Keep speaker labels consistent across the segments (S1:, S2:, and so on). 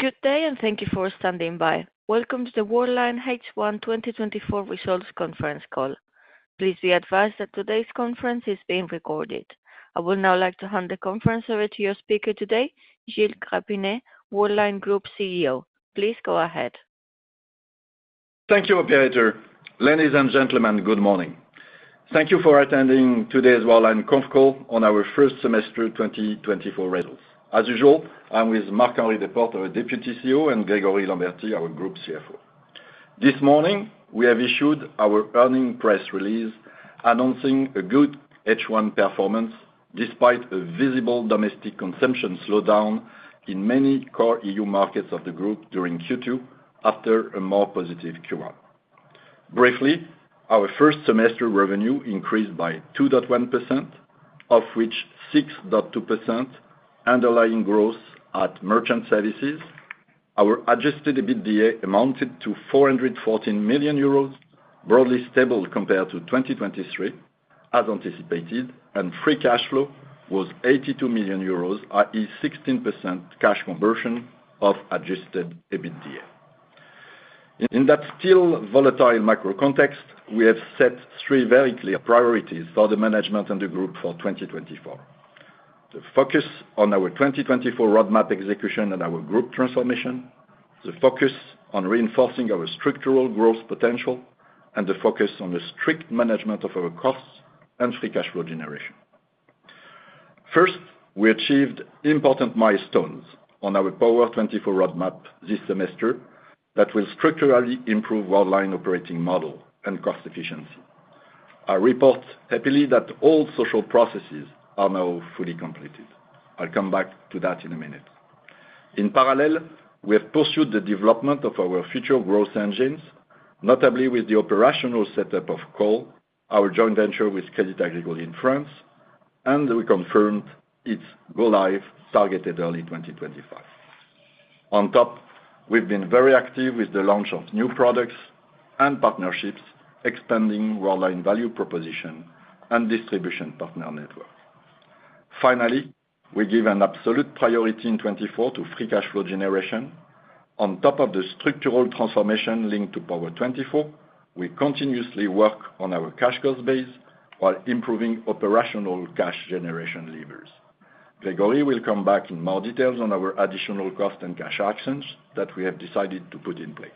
S1: Good day, and thank you for standing by. Welcome to the Worldline H1 2024 Results Conference call. Please be advised that today's conference is being recorded. I would now like to hand the conference over to your speaker today, Gilles Grapinet, Worldline Group CEO. Please go ahead.
S2: Thank you, Operator. Ladies and gentlemen, good morning. Thank you for attending today's Worldline Conference call on our first semester 2024 results. As usual, I'm with Marc-Henri Desportes, our Deputy CEO, and Grégory Lambertie, our Group CFO. This morning, we have issued our earnings press release announcing a good H1 performance despite a visible domestic consumption slowdown in many core EU markets of the Group during Q2 after a more positive Q1. Briefly, our first semester revenue increased by 2.1%, of which 6.2% underlying growth at merchant services. Our adjusted EBITDA amounted to 414 million euros, broadly stable compared to 2023, as anticipated, and free cash flow was 82 million euros, i.e., 16% cash conversion of adjusted EBITDA. In that still volatile macro context, we have set three very clear priorities for the management and the Group for 2024: the focus on our 2024 roadmap execution and our Group transformation, the focus on reinforcing our structural growth potential, and the focus on the strict management of our costs and free cash flow generation. First, we achieved important milestones on our Power24 roadmap this semester that will structurally improve the Worldline operating model and cost efficiency. I report happily that all social processes are now fully completed. I'll come back to that in a minute. In parallel, we have pursued the development of our future growth engines, notably with the operational setup of CAWL, our joint venture with Crédit Agricole in France, and we confirmed its go-live targeted early 2025. On top, we've been very active with the launch of new products and partnerships, expanding Worldline's value proposition and distribution partner network. Finally, we give an absolute priority in 2024 to free cash flow generation. On top of the structural transformation linked to Power24, we continuously work on our cash cost base while improving operational cash generation levers. Grégory will come back in more detail on our additional cost and cash actions that we have decided to put in place.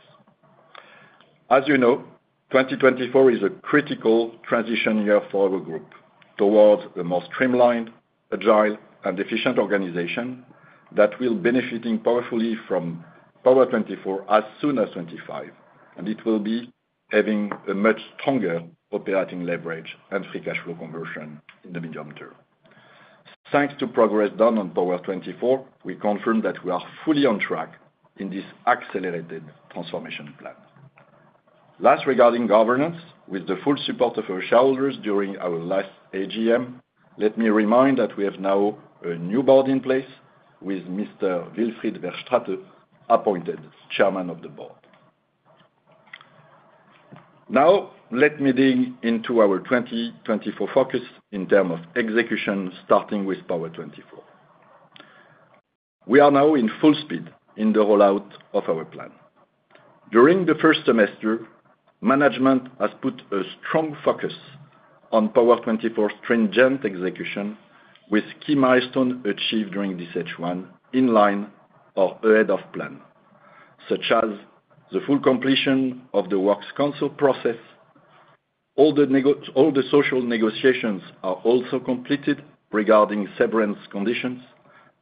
S2: As you know, 2024 is a critical transition year for our Group towards a more streamlined, agile, and efficient organization that will benefit powerfully from Power24 as soon as 2025, and it will be having a much stronger operating leverage and free cash flow conversion in the medium term. Thanks to progress done on Power24, we confirm that we are fully on track in this accelerated transformation plan. Last, regarding governance, with the full support of our shareholders during our last AGM, let me remind that we have now a new board in place with Mr. Wilfried Verstraete, appointed Chairman of the Board. Now, let me dig into our 2024 focus in terms of execution, starting with Power 24. We are now in full speed in the rollout of our plan. During the first semester, management has put a strong focus on Power 24's stringent execution with key milestones achieved during this H1 in line or ahead of plan, such as the full completion of the works council process. All the social negotiations are also completed regarding severance conditions,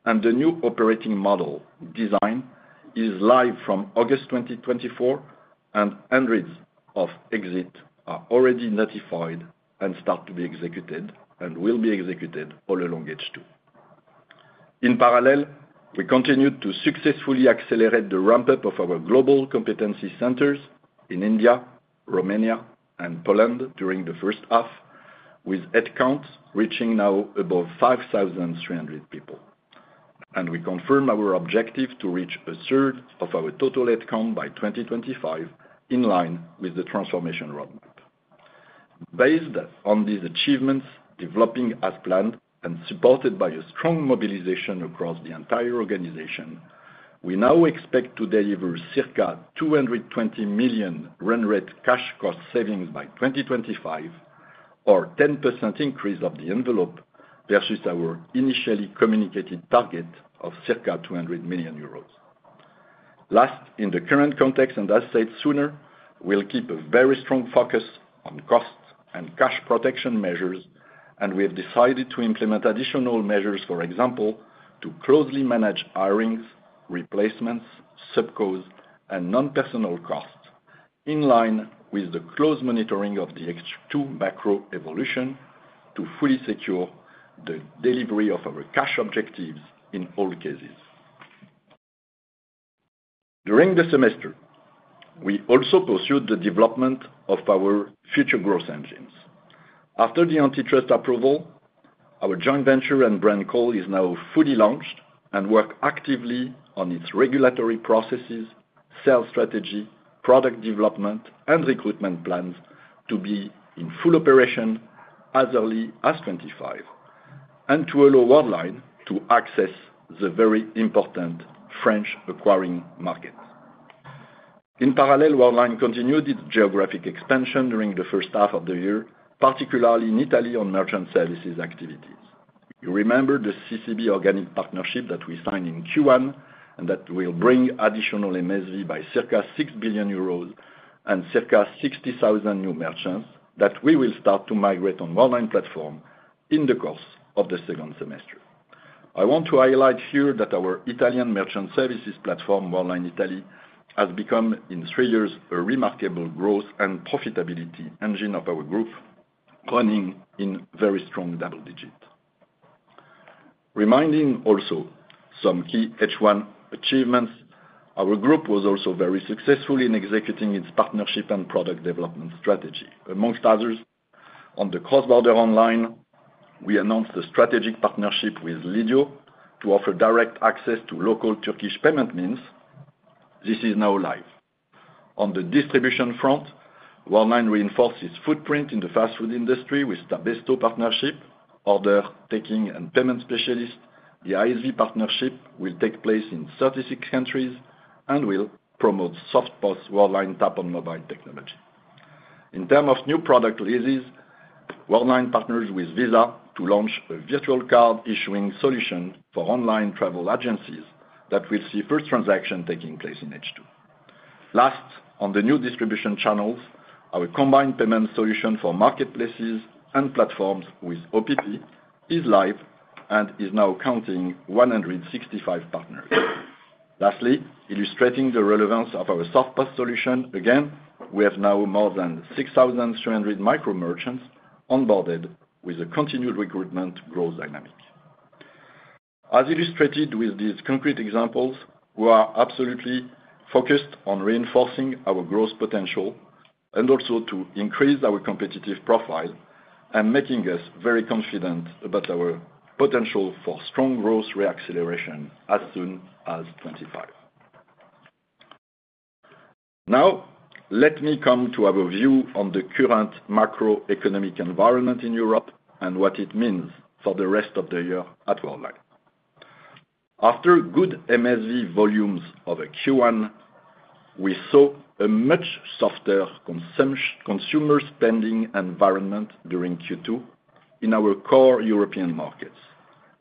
S2: and the new operating model design is live from August 2024, and hundreds of exits are already notified and start to be executed and will be executed all along H2. In parallel, we continued to successfully accelerate the ramp-up of our global competency centers in India, Romania, and Poland during the first half, with headcount reaching now above 5,300 people. We confirm our objective to reach a third of our total headcount by 2025 in line with the transformation roadmap. Based on these achievements, developing as planned and supported by a strong mobilization across the entire organization, we now expect to deliver circa 220 million rendered cash cost savings by 2025, or a 10% increase of the envelope versus our initially communicated target of circa 200 million euros. Last, in the current context, and as said sooner, we'll keep a very strong focus on cost and cash protection measures, and we have decided to implement additional measures, for example, to closely manage hirings, replacements, sub-contracts, and non-personnel costs in line with the close monitoring of the H2 macro evolution to fully secure the delivery of our cash objectives in all cases. During the semester, we also pursued the development of our future growth engines. After the antitrust approval, our joint venture CAWL is now fully launched and works actively on its regulatory processes, sales strategy, product development, and recruitment plans to be in full operation as early as 2025, and to allow Worldline to access the very important French acquiring market. In parallel, Worldline continued its geographic expansion during the first half of the year, particularly in Italy on merchant services activities. You remember the CCB organic partnership that we signed in Q1 and that will bring additional MSV by circa 6 billion euros and circa 60,000 new merchants that we will start to migrate on Worldline platform in the course of the second semester. I want to highlight here that our Italian merchant services platform, Worldline Italy, has become in three years a remarkable growth and profitability engine of our Group, running in very strong double digits. Reminding also some key H1 achievements, our Group was also very successful in executing its partnership and product development strategy. Among others, on the cross-border online, we announced a strategic partnership with Lidio to offer direct access to local Turkish payment means. This is now live. On the distribution front, Worldline reinforced its footprint in the fast food industry with Tabesto partnership, order-taking and payment specialists. The ISV partnership will take place in 36 countries and will promote SoftPOS Worldline Tap on Mobile technology. In terms of new product releases, Worldline partners with Visa to launch a virtual card issuing solution for online travel agencies that will see first transactions taking place in H2. Last, on the new distribution channels, our combined payment solution for marketplaces and platforms with OPP is live and is now counting 165 partners. Lastly, illustrating the relevance of our SoftPOS solution, again, we have now more than 6,300 micro merchants onboarded with a continued recruitment growth dynamic. As illustrated with these concrete examples, we are absolutely focused on reinforcing our growth potential and also to increase our competitive profile and making us very confident about our potential for strong growth reacceleration as soon as 2025. Now, let me come to have a view on the current macroeconomic environment in Europe and what it means for the rest of the year at Worldline. After good MSV volumes over Q1, we saw a much softer consumer spending environment during Q2 in our core European markets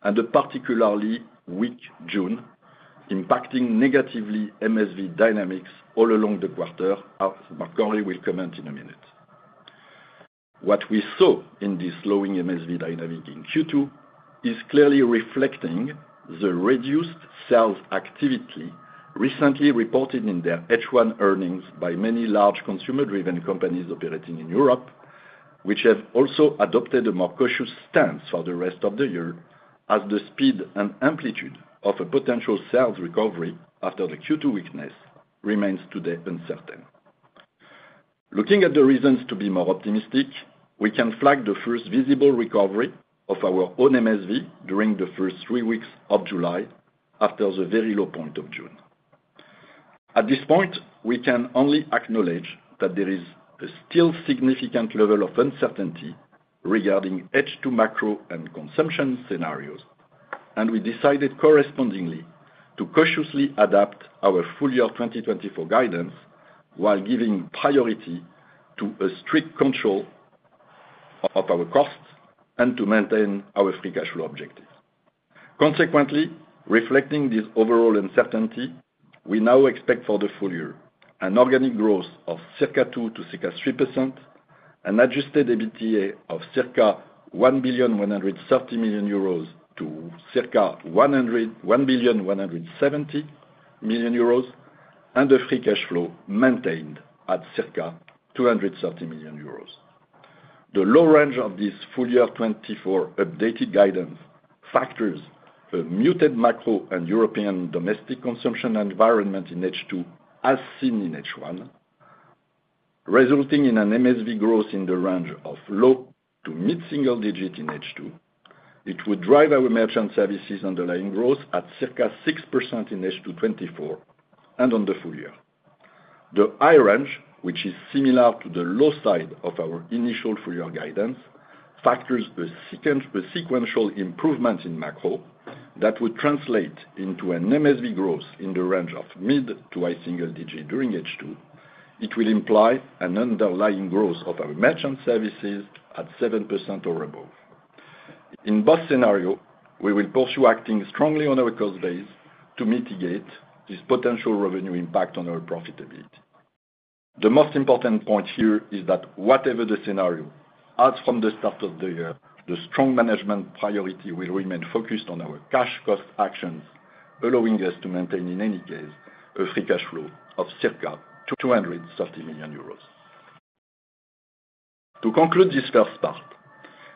S2: and a particularly weak June, impacting negatively MSV dynamics all along the quarter, as Marc-Henri will comment in a minute. What we saw in this slowing MSV dynamic in Q2 is clearly reflecting the reduced sales activity recently reported in their H1 earnings by many large consumer-driven companies operating in Europe, which have also adopted a more cautious stance for the rest of the year as the speed and amplitude of a potential sales recovery after the Q2 weakness remains today uncertain. Looking at the reasons to be more optimistic, we can flag the first visible recovery of our own MSV during the first three weeks of July after the very low point of June. At this point, we can only acknowledge that there is a still significant level of uncertainty regarding H2 macro and consumption scenarios, and we decided correspondingly to cautiously adapt our full year 2024 guidance while giving priority to a strict control of our costs and to maintain our Free Cash Flow objectives. Consequently, reflecting this overall uncertainty, we now expect for the full year an organic growth of circa 2% to circa 3%, an Adjusted EBITDA of circa 1,130 million euros to circa 1,170 million euros, and a Free Cash Flow maintained at circa 230 million euros. The low range of this full year 2024 updated guidance factors a muted macro and European domestic consumption environment in H2 as seen in H1, resulting in an MSV growth in the range of low- to mid-single-digit in H2. It would drive our merchant services underlying growth at circa 6% in H2 2024 and on the full year. The high range, which is similar to the low side of our initial full year guidance, factors a sequential improvement in macro that would translate into an MSV growth in the range of mid- to high-single-digit during H2. It will imply an underlying growth of our merchant services at 7% or above. In both scenarios, we will pursue acting strongly on our cost base to mitigate this potential revenue impact on our profitability. The most important point here is that whatever the scenario, as from the start of the year, the strong management priority will remain focused on our cash cost actions, allowing us to maintain in any case a free cash flow of circa 230 million euros. To conclude this first part,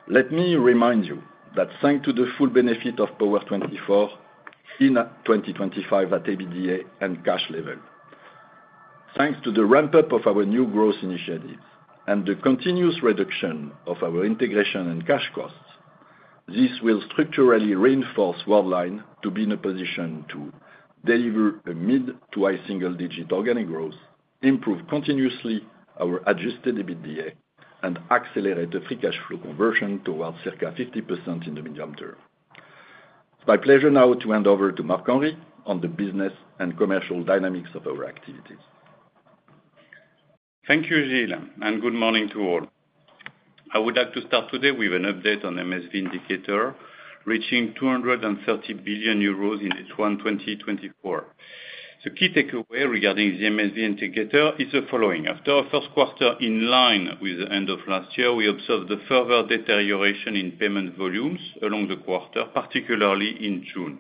S2: let me remind you that thanks to the full benefit of Power24 in 2025 at EBITDA and cash level, thanks to the ramp-up of our new growth initiatives and the continuous reduction of our integration and cash costs, this will structurally reinforce Worldline to be in a position to deliver a mid to high single digit organic growth, improve continuously our Adjusted EBITDA, and accelerate the free cash flow conversion towards circa 50% in the medium term. It's my pleasure now to hand over to Marc-Henri on the business and commercial dynamics of our activities.
S3: Thank you, Gilles, and good morning to all. I would like to start today with an update on the MSV indicator reaching 230 billion euros in H1 2024. The key takeaway regarding the MSV indicator is the following. After our Q1 in line with the end of last year, we observed the further deterioration in payment volumes along the quarter, particularly in June.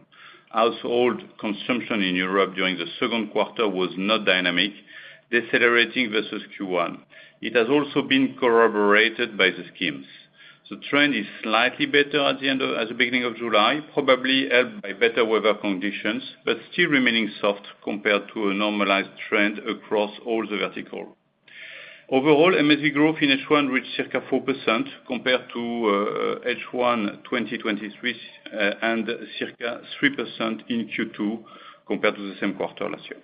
S3: Household consumption in Europe during the Q2 was not dynamic, decelerating versus Q1. It has also been corroborated by the schemes. The trend is slightly better at the end of the beginning of July, probably helped by better weather conditions, but still remaining soft compared to a normalized trend across all the verticals. Overall, MSV growth in H1 reached circa 4% compared to H1 2023 and circa 3% in Q2 compared to the same quarter last year.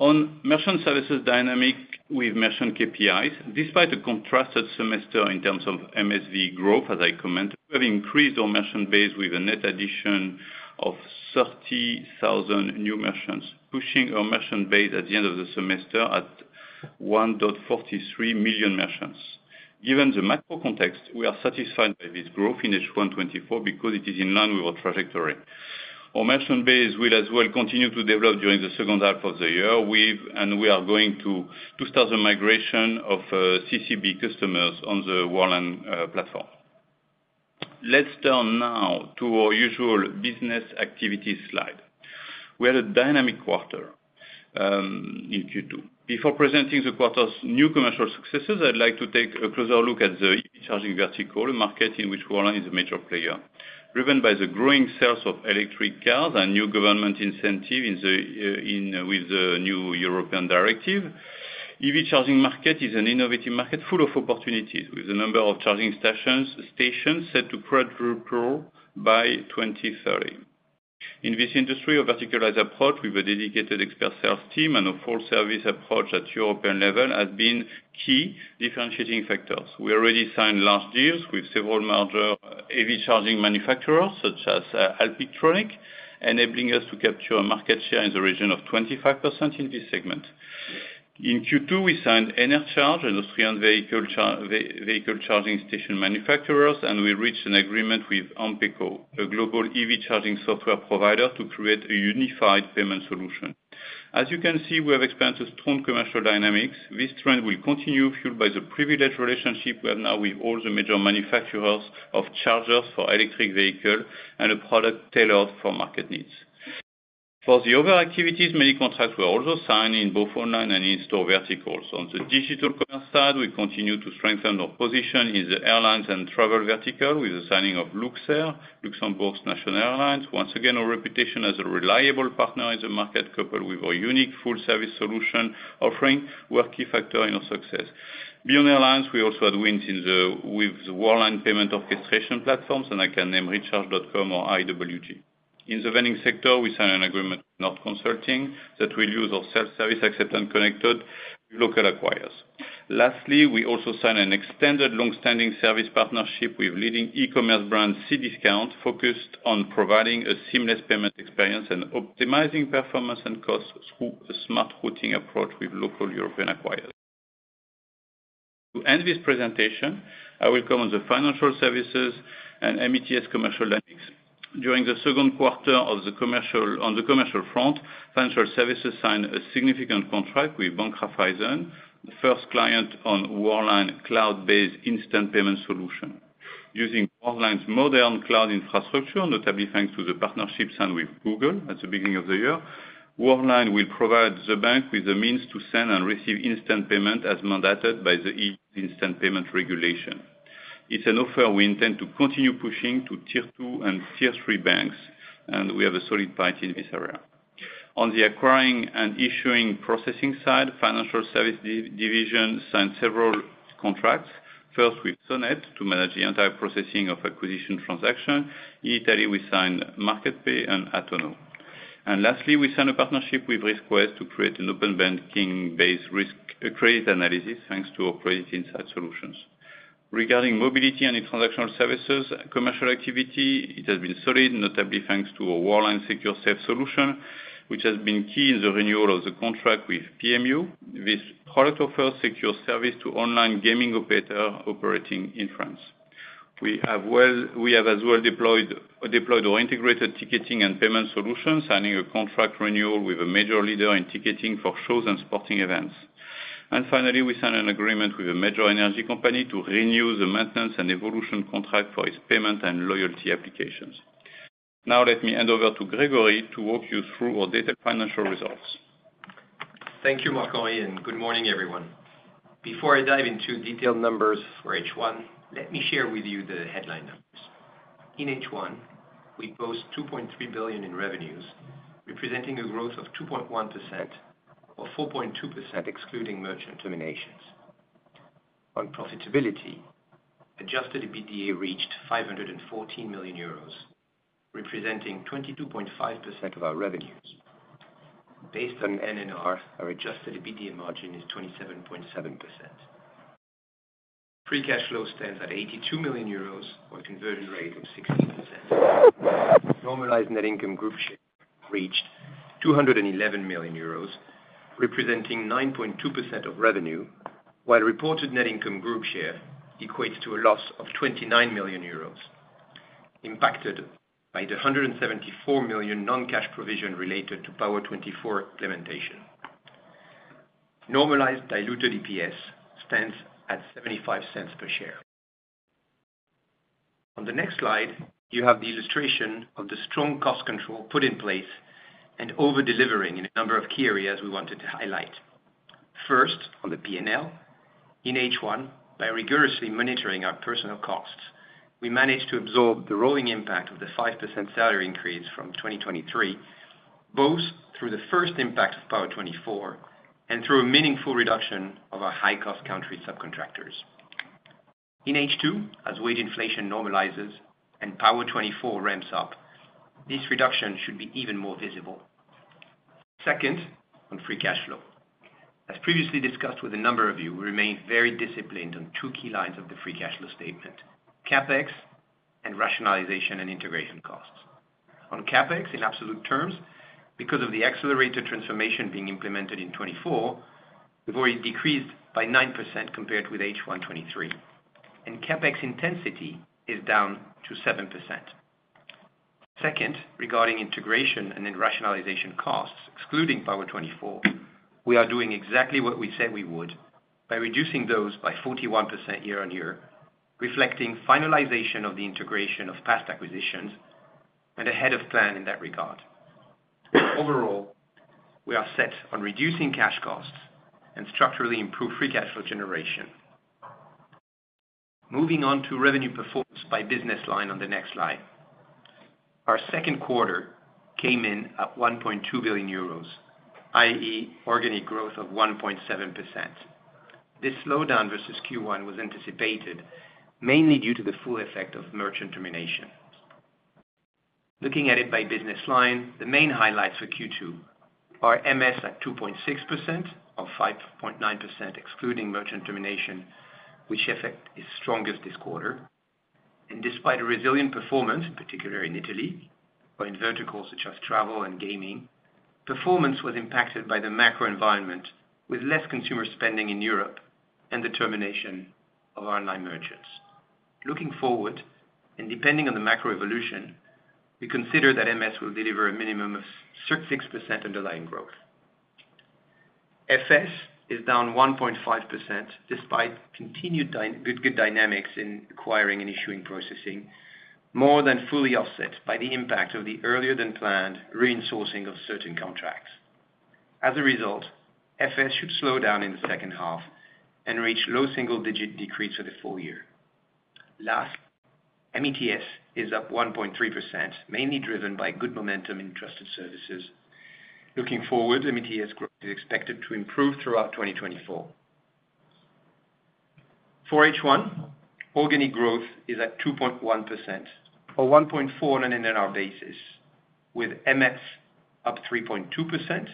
S3: On merchant services dynamics with merchant KPIs, despite a contrasted semester in terms of MSV growth, as I commented, we have increased our merchant base with a net addition of 30,000 new merchants, pushing our merchant base at the end of the semester at 1.43 million merchants. Given the macro context, we are satisfied with this growth in H1 2024 because it is in line with our trajectory. Our merchant base will as well continue to develop during the second half of the year, and we are going to start the migration of CCB customers on the Worldline platform. Let's turn now to our usual business activity slide. We had a dynamic quarter in Q2. Before presenting the quarter's new commercial successes, I'd like to take a closer look at the EV charging vertical, a market in which Worldline is a major player, driven by the growing sales of electric cars and new government incentives with the new European directive. The EV charging market is an innovative market full of opportunities, with the number of charging stations set to quadruple by 2030. In this industry, a verticalized approach with a dedicated expert sales team and a full-service approach at European level has been key differentiating factors. We already signed large deals with several major EV charging manufacturers, such as Alpitronic, enabling us to capture a market share in the region of 25% in this segment. In Q2, we signed EnerCharge, an Austrian vehicle charging station manufacturer, and we reached an agreement with Ampeco, a global EV charging software provider, to create a unified payment solution. As you can see, we have experienced strong commercial dynamics. This trend will continue fueled by the privileged relationship we have now with all the major manufacturers of chargers for electric vehicles and a product tailored for market needs. For the other activities, many contracts were also signed in both online and in-store verticals. On the digital commerce side, we continue to strengthen our position in the airlines and travel vertical with the signing of Luxair, Luxembourg's national airline. Once again, our reputation as a reliable partner in the market, coupled with our unique full-service solution offering, were a key factor in our success. Beyond airlines, we also had wins with Worldline payment orchestration platforms, and I can name Recharge.com or IWG. In the vending sector, we signed an agreement with Norb that will use our self-service accept and connect with local acquirers. Lastly, we also signed an extended long-standing service partnership with leading e-commerce brand Cdiscount, focused on providing a seamless payment experience and optimizing performance and costs through a smart routing approach with local European acquirers. To end this presentation, I will come on the financial services and METS commercial dynamics. During the Q2 on the commercial front, financial services signed a significant contract with Raiffeisen Bank, the first client on Worldline cloud-based instant payment solution. Using Worldline's modern cloud infrastructure, notably thanks to the partnership signed with Google at the beginning of the year, Worldline will provide the bank with the means to send and receive instant payment as mandated by the EU instant payment regulation. It's an offer we intend to continue pushing to Tier 2 and Tier 3 banks, and we have a solid pipe in this area. On the acquiring and issuing processing side, the financial service division signed several contracts, first with Sonet to manage the entire processing of acquisition transactions. In Italy, we signed Market Pay and A-Tono. Lastly, we signed a partnership with RiskQuest to create an open banking-based risk credit analysis, thanks to our Credit Insight solutions. Regarding mobility and transactional services commercial activity, it has been solid, notably thanks to our Worldline Secure Safe solution, which has been key in the renewal of the contract with PMU. This product offers secure service to online gaming operators operating in France. We have as well deployed or integrated ticketing and payment solutions, signing a contract renewal with a major leader in ticketing for shows and sporting events. Finally, we signed an agreement with a major energy company to renew the maintenance and evolution contract for its payment and loyalty applications. Now, let me hand over to Grégory to walk you through our data and financial results.
S2: Thank you, Marc-Henri. Good morning, everyone. Before I dive into detailed numbers for H1, let me share with you the headline numbers. In H1, we post 2.3 billion in revenues, representing a growth of 2.1% or 4.2% excluding merchant terminations. On profitability, Adjusted EBITDA reached €514 million, representing 22.5% of our revenues. Based on Net Revenue, our Adjusted EBITDA margin is 27.7%. Free Cash Flow stands at €82 million or a conversion rate of 16%. Normalized net income group share reached €211 million, representing 9.2% of revenue, while reported net income group share equates to a loss of €29 million, impacted by the €174 million non-cash provision related to Power24 implementation. Normalized diluted EPS stands at €0.75 per share. On the next slide, you have the illustration of the strong cost control put in place and over-delivering in a number of key areas we wanted to highlight. First, on the P&L, in H1, by rigorously monitoring our personnel costs, we managed to absorb the rolling impact of the 5% salary increase from 2023, both through the first impact of Power24 and through a meaningful reduction of our high-cost country subcontractors. In H2, as wage inflation normalizes and Power24 ramps up, this reduction should be even more visible. Second, on free cash flow. As previously discussed with a number of you, we remain very disciplined on two key lines of the free cash flow statement: CapEx and rationalization and integration costs. On CapEx, in absolute terms, because of the accelerated transformation being implemented in 2024, we've already decreased by 9% compared with H1 2023, and CapEx intensity is down to 7%. Second, regarding integration and rationalization costs, excluding Power24, we are doing exactly what we said we would by reducing those by 41% year on year, reflecting finalization of the integration of past acquisitions and ahead-of-plan in that regard. Overall, we are set on reducing cash costs and structurally improving free cash flow generation. Moving on to revenue performance by business line on the next slide. Our Q2 came in at 1.2 billion euros, i.e., organic growth of 1.7%. This slowdown versus Q1 was anticipated mainly due to the full effect of merchant termination. Looking at it by business line, the main highlights for Q2 are MS at 2.6% or 5.9% excluding merchant termination, which effect is strongest this quarter. Despite resilient performance, in particular in Italy or in verticals such as travel and gaming, performance was impacted by the macro environment with less consumer spending in Europe and the termination of online merchants. Looking forward and depending on the macro evolution, we consider that MS will deliver a minimum of 6% underlying growth. FS is down 1.5% despite continued good dynamics in acquiring and issuing processing, more than fully offset by the impact of the earlier-than-planned reinforcing of certain contracts. As a result, FS should slow down in the second half and reach low single-digit decrease for the full year. Lastly, METS is up 1.3%, mainly driven by good momentum in trusted services. Looking forward, METS growth is expected to improve throughout 2024. For H1, organic growth is at 2.1% or 1.4% on an NNR basis, with MS up 3.2%,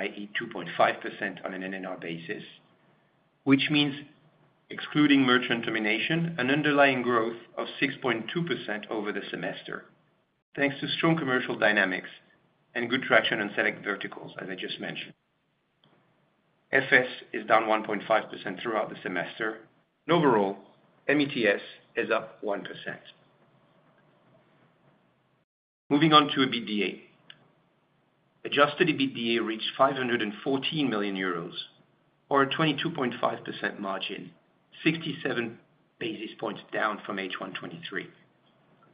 S2: i.e., 2.5% on an NNR basis, which means, excluding merchant termination, an underlying growth of 6.2% over the semester, thanks to strong commercial dynamics and good traction on select verticals, as I just mentioned. FS is down 1.5% throughout the semester. Overall, METS is up 1%. Moving on to EBITDA. Adjusted EBITDA reached 514 million euros or a 22.5% margin, 67 basis points down from H1 23.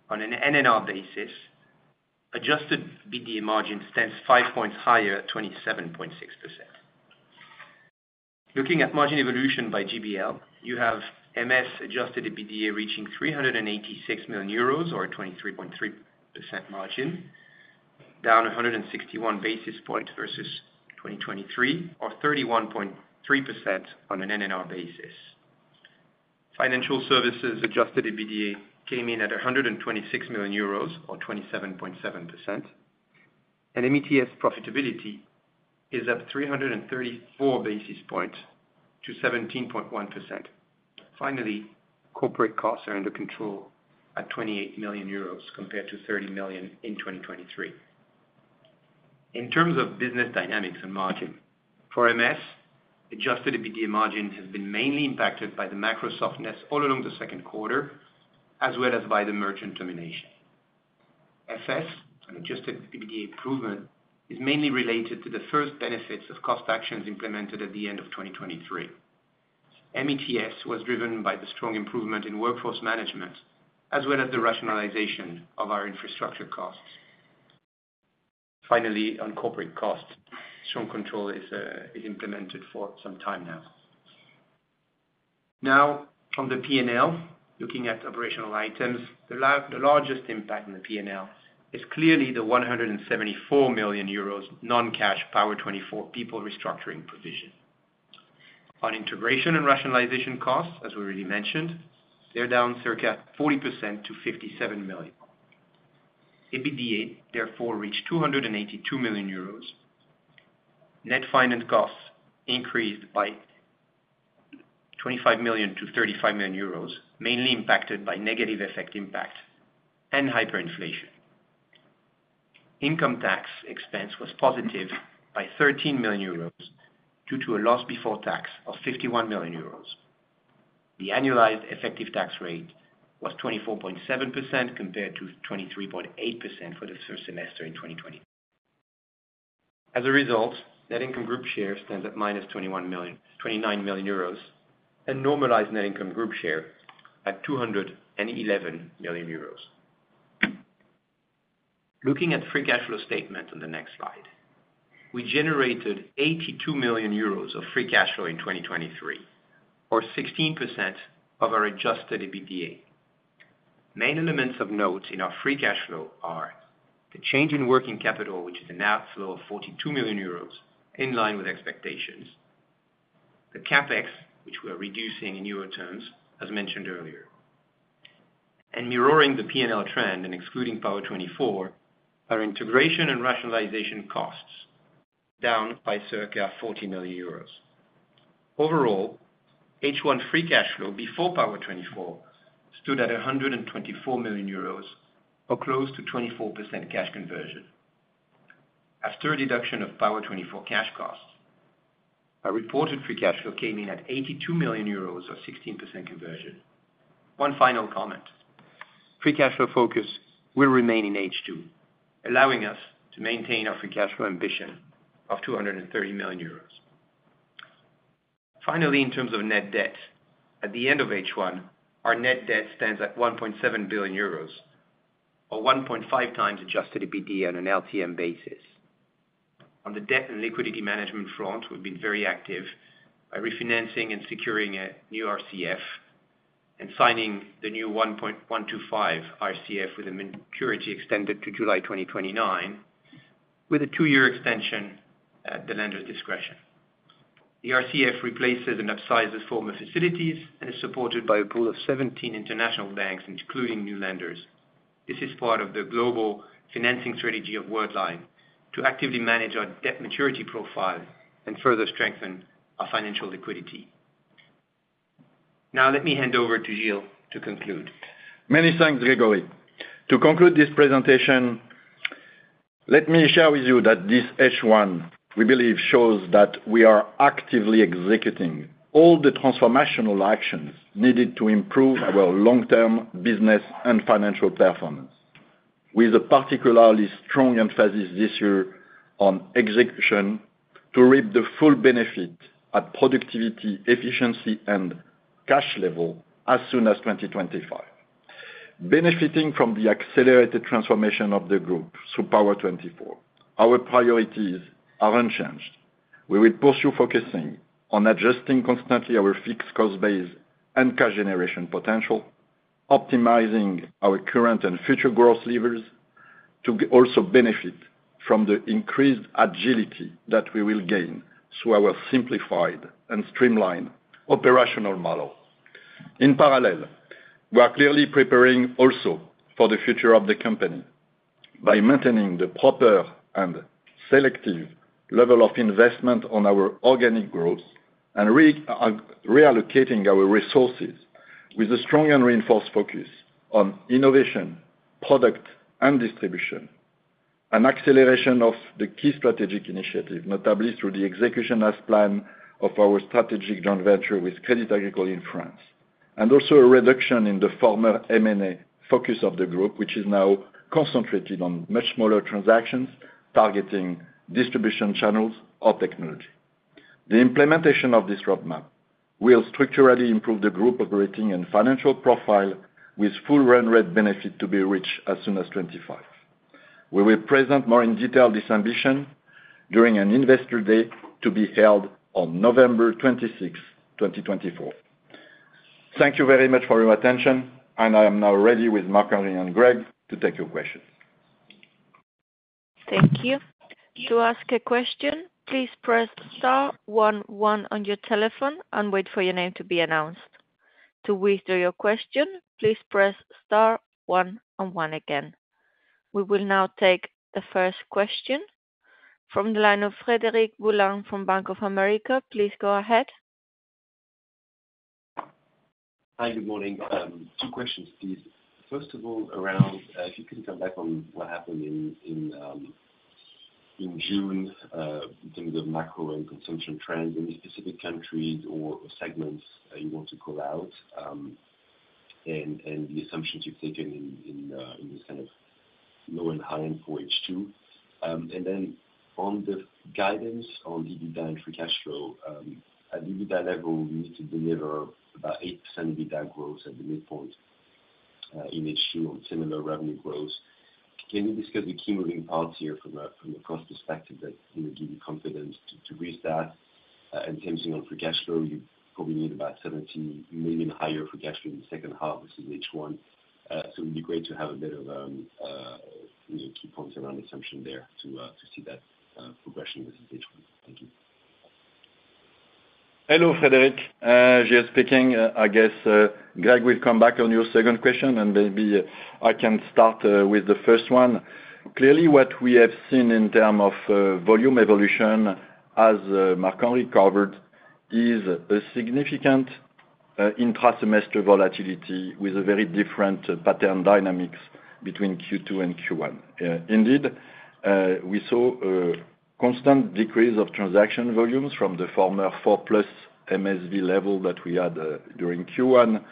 S2: On an NNR basis, adjusted EBITDA margin stands 5 points higher at 27.6%. Looking at margin evolution by GBL, you have MS adjusted EBITDA reaching 386 million euros or a 23.3% margin, down 161 basis points versus 2023, or 31.3% on an NNR basis. Financial services adjusted EBITDA came in at 126 million euros or 27.7%. METS profitability is up 334 basis points to 17.1%. Finally, corporate costs are under control at 28 million euros compared to 30 million in 2023. In terms of business dynamics and margin, for MS, adjusted EBITDA margin has been mainly impacted by the macro softness all along the Q2, as well as by the merchant termination. FS, an adjusted EBITDA improvement, is mainly related to the first benefits of cost actions implemented at the end of 2023. METS was driven by the strong improvement in workforce management, as well as the rationalization of our infrastructure costs. Finally, on corporate costs, strong control is implemented for some time now. Now, from the P&L, looking at operational items, the largest impact in the P&L is clearly the 174 million euros non-cash Power24 people restructuring provision. On integration and rationalization costs, as we already mentioned, they're down circa 40% to 57 million. EBITDA, therefore, reached 282 million euros. Net finance costs increased by 25 million to 35 million euros, mainly impacted by negative FX impact and hyperinflation. Income tax expense was positive by 13 million euros due to a loss before tax of 51 million euros. The annualized effective tax rate was 24.7% compared to 23.8% for the first semester in 2023. As a result, net income group share stands at 29 million euros and normalized net income group share at 211 million euros. Looking at free cash flow statement on the next slide, we generated 82 million euros of free cash flow in 2023, or 16% of our adjusted EBITDA. Main elements of note in our free cash flow are the change in working capital, which is an outflow of 42 million euros in line with expectations, the CapEx, which we are reducing in euro terms, as mentioned earlier. Mirroring the P&L trend and excluding Power 24, our integration and rationalization costs down by circa 40 million euros. Overall, H1 free cash flow before Power 24 stood at 124 million euros, or close to 24% cash conversion. After a deduction of Power 24 cash costs, our reported free cash flow came in at 82 million euros or 16% conversion. One final comment: free cash flow focus will remain in H2, allowing us to maintain our free cash flow ambition of 230 million euros. Finally, in terms of net debt, at the end of H1, our net debt stands at 1.7 billion euros, or 1.5 times adjusted EBITDA on an LTM basis. On the debt and liquidity management front, we've been very active by refinancing and securing a new RCF and signing the new 1.125 RCF with a maturity extended to July 2029, with a two-year extension at the lender's discretion. The RCF replaces and upsizes former facilities and is supported by a pool of 17 international banks, including new lenders. This is part of the global financing strategy of Worldline to actively manage our debt maturity profile and further strengthen our financial liquidity. Now, let me hand over to Gilles to conclude.
S4: Many thanks, Gregory. To conclude this presentation, let me share with you that this H1, we believe, shows that we are actively executing all the transformational actions needed to improve our long-term business and financial performance. We have a particularly strong emphasis this year on execution to reap the full benefit at productivity, efficiency, and cash level as soon as 2025. Benefiting from the accelerated transformation of the group through Power24, our priorities are unchanged. We will pursue focusing on adjusting constantly our fixed cost base and cash generation potential, optimizing our current and future growth levers to also benefit from the increased agility that we will gain through our simplified and streamlined operational model. In parallel, we are clearly preparing also for the future of the company by maintaining the proper and selective level of investment on our organic growth and reallocating our resources with a strong and reinforced focus on innovation, product, and distribution, an acceleration of the key strategic initiative, notably through the execution as planned of our strategic joint venture with Crédit Agricole in France, and also a reduction in the former M&A focus of the group, which is now concentrated on much smaller transactions targeting distribution channels or technology. The implementation of this roadmap will structurally improve the group operating and financial profile with full run rate benefit to be reached as soon as 2025. We will present more in detail this ambition during an investor day to be held on November 26, 2024. Thank you very much for your attention, and I am now ready with Marc-Henri and Greg to take your questions.
S1: Thank you. To ask a question, please press star 11 on your telephone and wait for your name to be announced. To withdraw your question, please press star 11 again. We will now take the first question from the line of Frédéric Boulard from Bank of America. Please go ahead. Hi, good morning. Two questions, please.
S5: First of all, around if you can come back on what happened in June in terms of macro and consumption trends in these specific countries or segments you want to call out and the assumptions you've taken in this kind of low and high end for H2? And then on the guidance on EBITDA and free cash flow, at EBITDA level, we need to deliver about 8% EBITDA growth at the midpoint in H2 on similar revenue growth. Can you discuss the key moving parts here from a cost perspective that will give you confidence to reach that? In terms of free cash flow, you probably need about €70 million higher free cash flow in the second half versus H1. So it would be great to have a bit of key points around assumption there to see that progression versus H1. Thank you.
S2: Hello, Frédéric. Gilles speaking. I guess Greg will come back on your second question, and maybe I can start with the first one. Clearly, what we have seen in terms of volume evolution, as Marc-Henri covered, is a significant intra-semester volatility with a very different pattern dynamics between Q2 and Q1. Indeed, we saw a constant decrease of transaction volumes from the former 4 plus MSV level that we had during Q1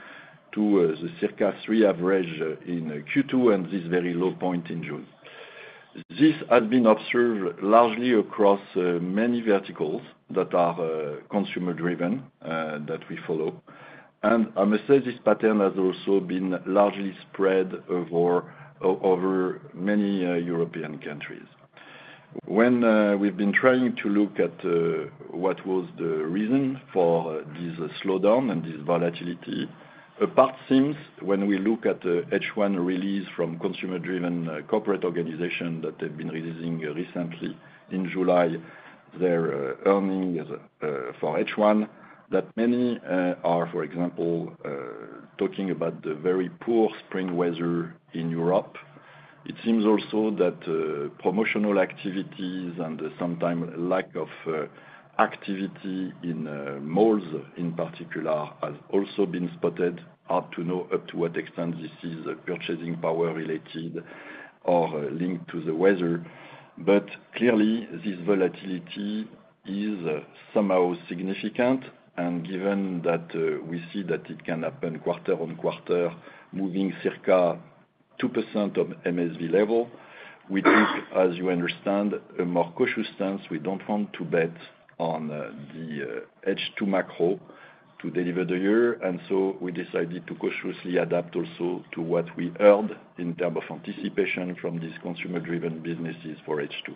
S2: to the circa 3 average in Q2 and this very low point in June. This has been observed largely across many verticals that are consumer-driven that we follow. And I must say this pattern has also been largely spread over many European countries. When we've been trying to look at what was the reason for this slowdown and this volatility, a part seems, when we look at the H1 release from consumer-driven corporate organizations that have been releasing recently in July, their earnings for H1, that many are, for example, talking about the very poor spring weather in Europe. It seems also that promotional activities and sometimes lack of activity in malls, in particular, has also been spotted. Up to what extent this is purchasing power related or linked to the weather. But clearly, this volatility is somehow significant. Given that we see that it can happen quarter on quarter, moving circa 2% of MSV level, we took, as you understand, a more cautious stance. We don't want to bet on the H2 macro to deliver the year. So we decided to cautiously adapt also to what we heard in terms of anticipation from these consumer-driven businesses for H2.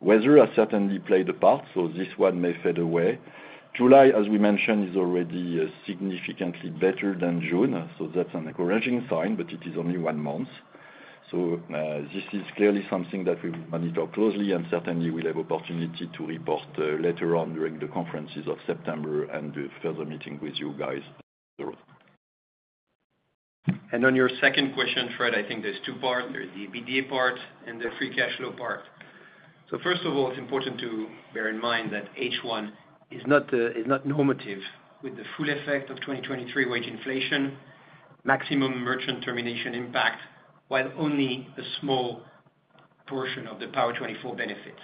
S2: Weather has certainly played a part, so this one may fade away. July, as we mentioned, is already significantly better than June. So that's an encouraging sign, but it is only one month. So this is clearly something that we will monitor closely, and certainly we'll have the opportunity to report later on during the conferences of September and the further meeting with you guys.
S4: On your second question, Fred, I think there's two parts. There's the EBITDA part and the Free Cash Flow part. So first of all, it's important to bear in mind that H1 is not normative with the full effect of 2023 wage inflation, maximum merchant termination impact, while only a small portion of the Power24 benefits.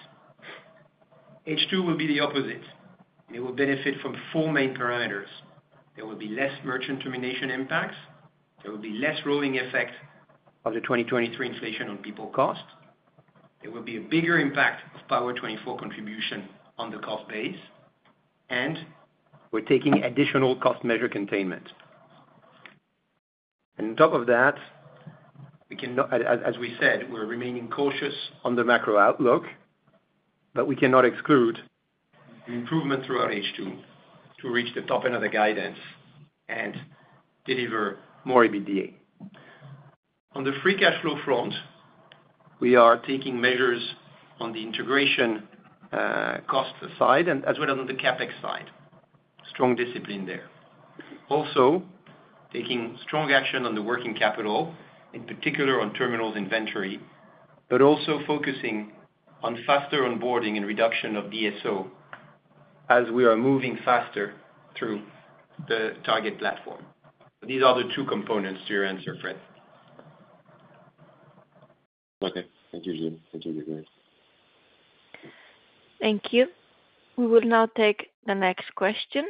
S4: H2 will be the opposite. It will benefit from four main parameters. There will be less merchant termination impacts. There will be less rolling effect of the 2023 inflation on people cost. There will be a bigger impact of Power24 contribution on the cost base. And we're taking additional cost measure containment. And on top of that, as we said, we're remaining cautious on the macro outlook, but we cannot exclude improvement throughout H2 to reach the top end of the guidance and deliver more EBITDA. On the free cash flow front, we are taking measures on the integration cost side as well as on the CapEx side. Strong discipline there. Also, taking strong action on the working capital, in particular on terminals inventory, but also focusing on faster onboarding and reduction of DSO as we are moving faster through the target platform. These are the two components to your answer, Fred. Okay.
S5: Thank you, Gilles. Thank you, Greg.
S1: Thank you. We will now take the next question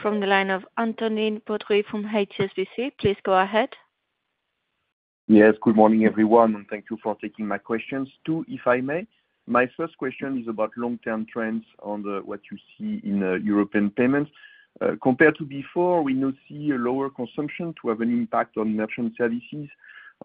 S1: from the line of Antonin Baudry from HSBC. Please go ahead.
S6: Yes. Good morning, everyone. And thank you for taking my questions, too, if I may. My first question is about long-term trends on what you see in European payments. Compared to before, we now see a lower consumption to have an impact on merchant services,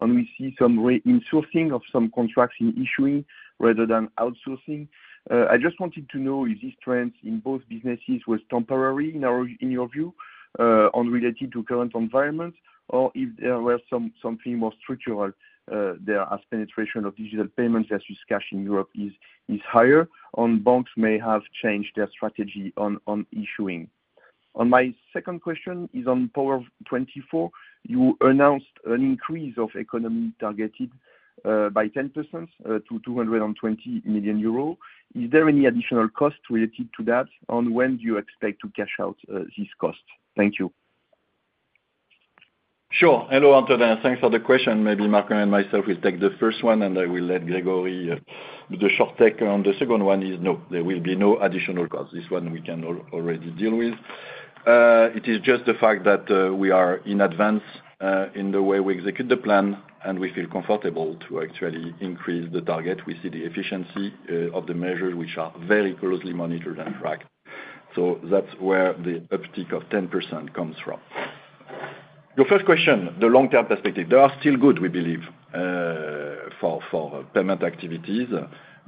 S6: and we see some reinsourcing of some contracts in issuing rather than outsourcing. I just wanted to know if these trends in both businesses were temporary in your view and related to current environments, or if there was something more structural there, as penetration of digital payments versus cash in Europe is higher, and banks may have changed their strategy on issuing. My second question is on Power24. You announced an increase of efficiency targeted by 10% to 220 million euros. Is there any additional cost related to that? And when do you expect to cash out this cost? Thank you.
S2: Sure. Hello, Antonin. Thanks for the question. Maybe Marc-Henri and myself will take the first one, and I will let Grégory with the short take on the second one. No, there will be no additional cost. This one we can already deal with. It is just the fact that we are in advance in the way we execute the plan, and we feel comfortable to actually increase the target. We see the efficiency of the measures, which are very closely monitored and tracked. So that's where the uptick of 10% comes from. Your first question, the long-term perspective, they are still good, we believe, for payment activities.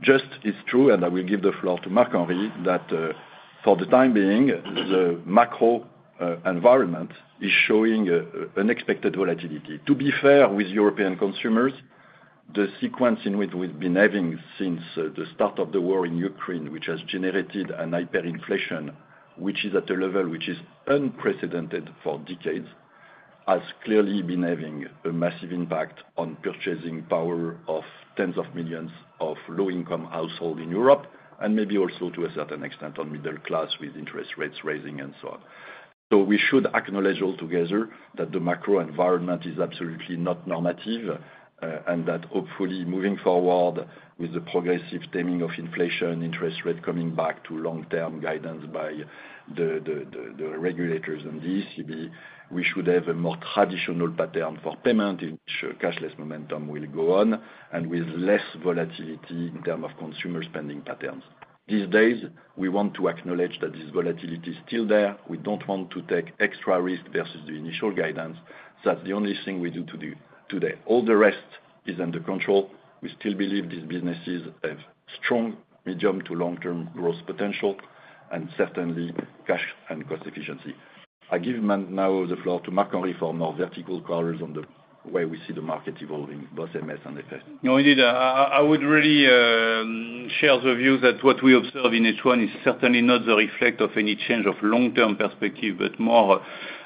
S2: Just, it's true, and I will give the floor to Marc-Henri, that for the time being, the macro environment is showing unexpected volatility. To be fair with European consumers, the sequence in which we've been having since the start of the war in Ukraine, which has generated a hyperinflation, which is at a level which is unprecedented for decades, has clearly been having a massive impact on purchasing power of tens of millions of low-income households in Europe, and maybe also to a certain extent on middle class with interest rates rising and so on. So we should acknowledge all together that the macro environment is absolutely not normative and that hopefully moving forward with the progressive taming of inflation, interest rate coming back to long-term guidance by the regulators and the ECB, we should have a more traditional pattern for payment in which cashless momentum will go on and with less volatility in terms of consumer spending patterns. These days, we want to acknowledge that this volatility is still there. We don't want to take extra risk versus the initial guidance. That's the only thing we do today. All the rest is under control. We still believe these businesses have strong medium to long-term growth potential and certainly cash and cost efficiency. I give now the floor to Marc-Henri for more vertical queries on the way we see the market evolving, both MS and FS.
S3: No, indeed. I would really share the view that what we observe in H1 is certainly not the reflection of any change of long-term perspective, but more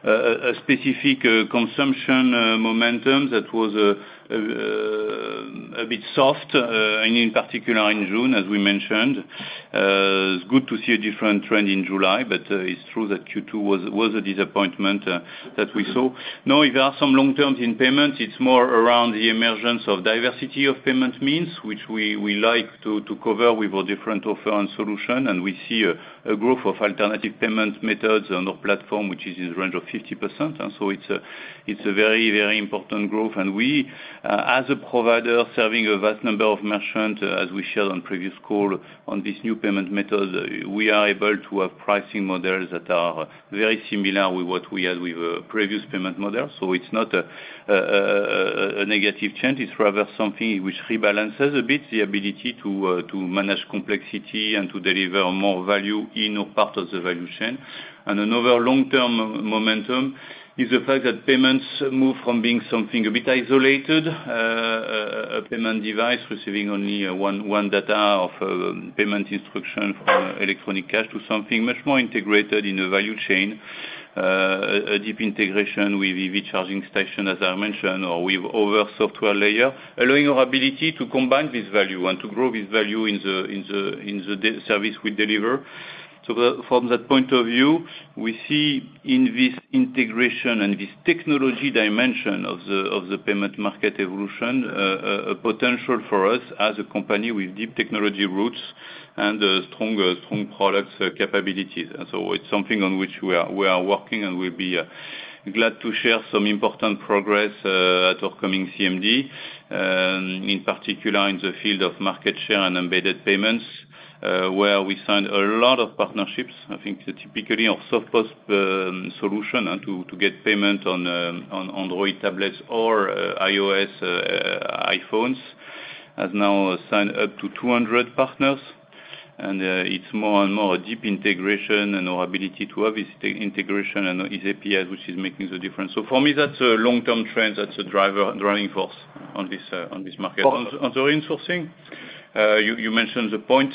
S3: a specific consumption momentum that was a bit soft, in particular in June, as we mentioned. It's good to see a different trend in July, but it's true that Q2 was a disappointment that we saw. No, if there are some long-term trends in payments, it's more around the emergence of diversity of payment means, which we like to cover with our different offer and solution. And we see a growth of alternative payment methods on our platform, which is in the range of 50%. And so it's a very, very important growth. We, as a provider serving a vast number of merchants, as we shared on previous call on this new payment method, we are able to have pricing models that are very similar with what we had with previous payment models. It's not a negative trend. It's rather something which rebalances a bit the ability to manage complexity and to deliver more value in or part of the value chain. Another long-term momentum is the fact that payments move from being something a bit isolated, a payment device receiving only one data of payment instruction from electronic cash to something much more integrated in a value chain, a deep integration with EV charging station, as I mentioned, or with other software layer, allowing our ability to combine this value and to grow this value in the service we deliver. So from that point of view, we see in this integration and this technology dimension of the payment market evolution a potential for us as a company with deep technology roots and strong product capabilities. And so it's something on which we are working, and we'll be glad to share some important progress at our coming CMD, in particular in the field of market share and embedded payments, where we signed a lot of partnerships. I think typically our software solution to get payment on Android tablets or iOS iPhones has now signed up to 200 partners. And it's more and more a deep integration and our ability to have this integration and easy APIs, which is making the difference. So for me, that's a long-term trend that's a driving force on this market. On the reinsourcing, you mentioned the point.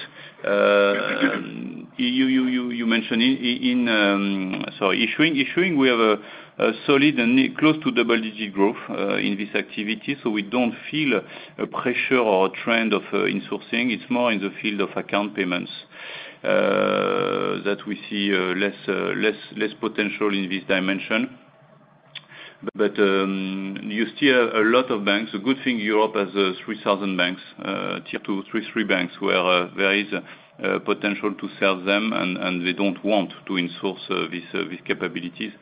S3: You mentioned in, sorry, issuing. Issuing, we have a solid and close to double-digit growth in this activity. So we don't feel a pressure or a trend of insourcing. It's more in the field of account payments that we see less potential in this dimension. But you still have a lot of banks. The good thing in Europe has 3,000 banks, Tier 2, Tier 3 banks, where there is potential to serve them, and they don't want to insource these capabilities.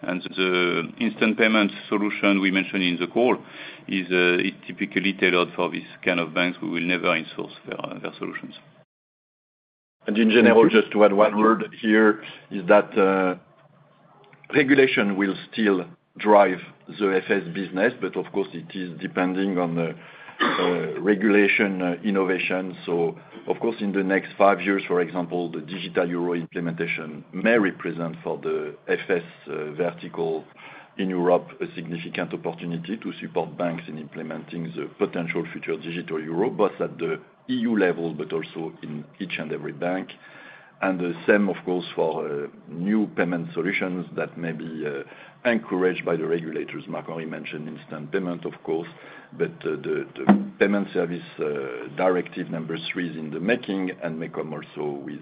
S3: And the instant payment solution we mentioned in the call is typically tailored for this kind of banks. We will never insource their solutions.
S2: And in general, just to add one word here, is that regulation will still drive the FS business, but of course, it is depending on regulation innovation. So of course, in the next five years, for example, the Digital Euro implementation may represent for the FS vertical in Europe a significant opportunity to support banks in implementing the potential future Digital Euro, both at the EU level, but also in each and every bank. And the same, of course, for new payment solutions that may be encouraged by the regulators. Marc-Henri mentioned instant payment, of course, but the Payment Services Directive number 3 is in the making and may come also with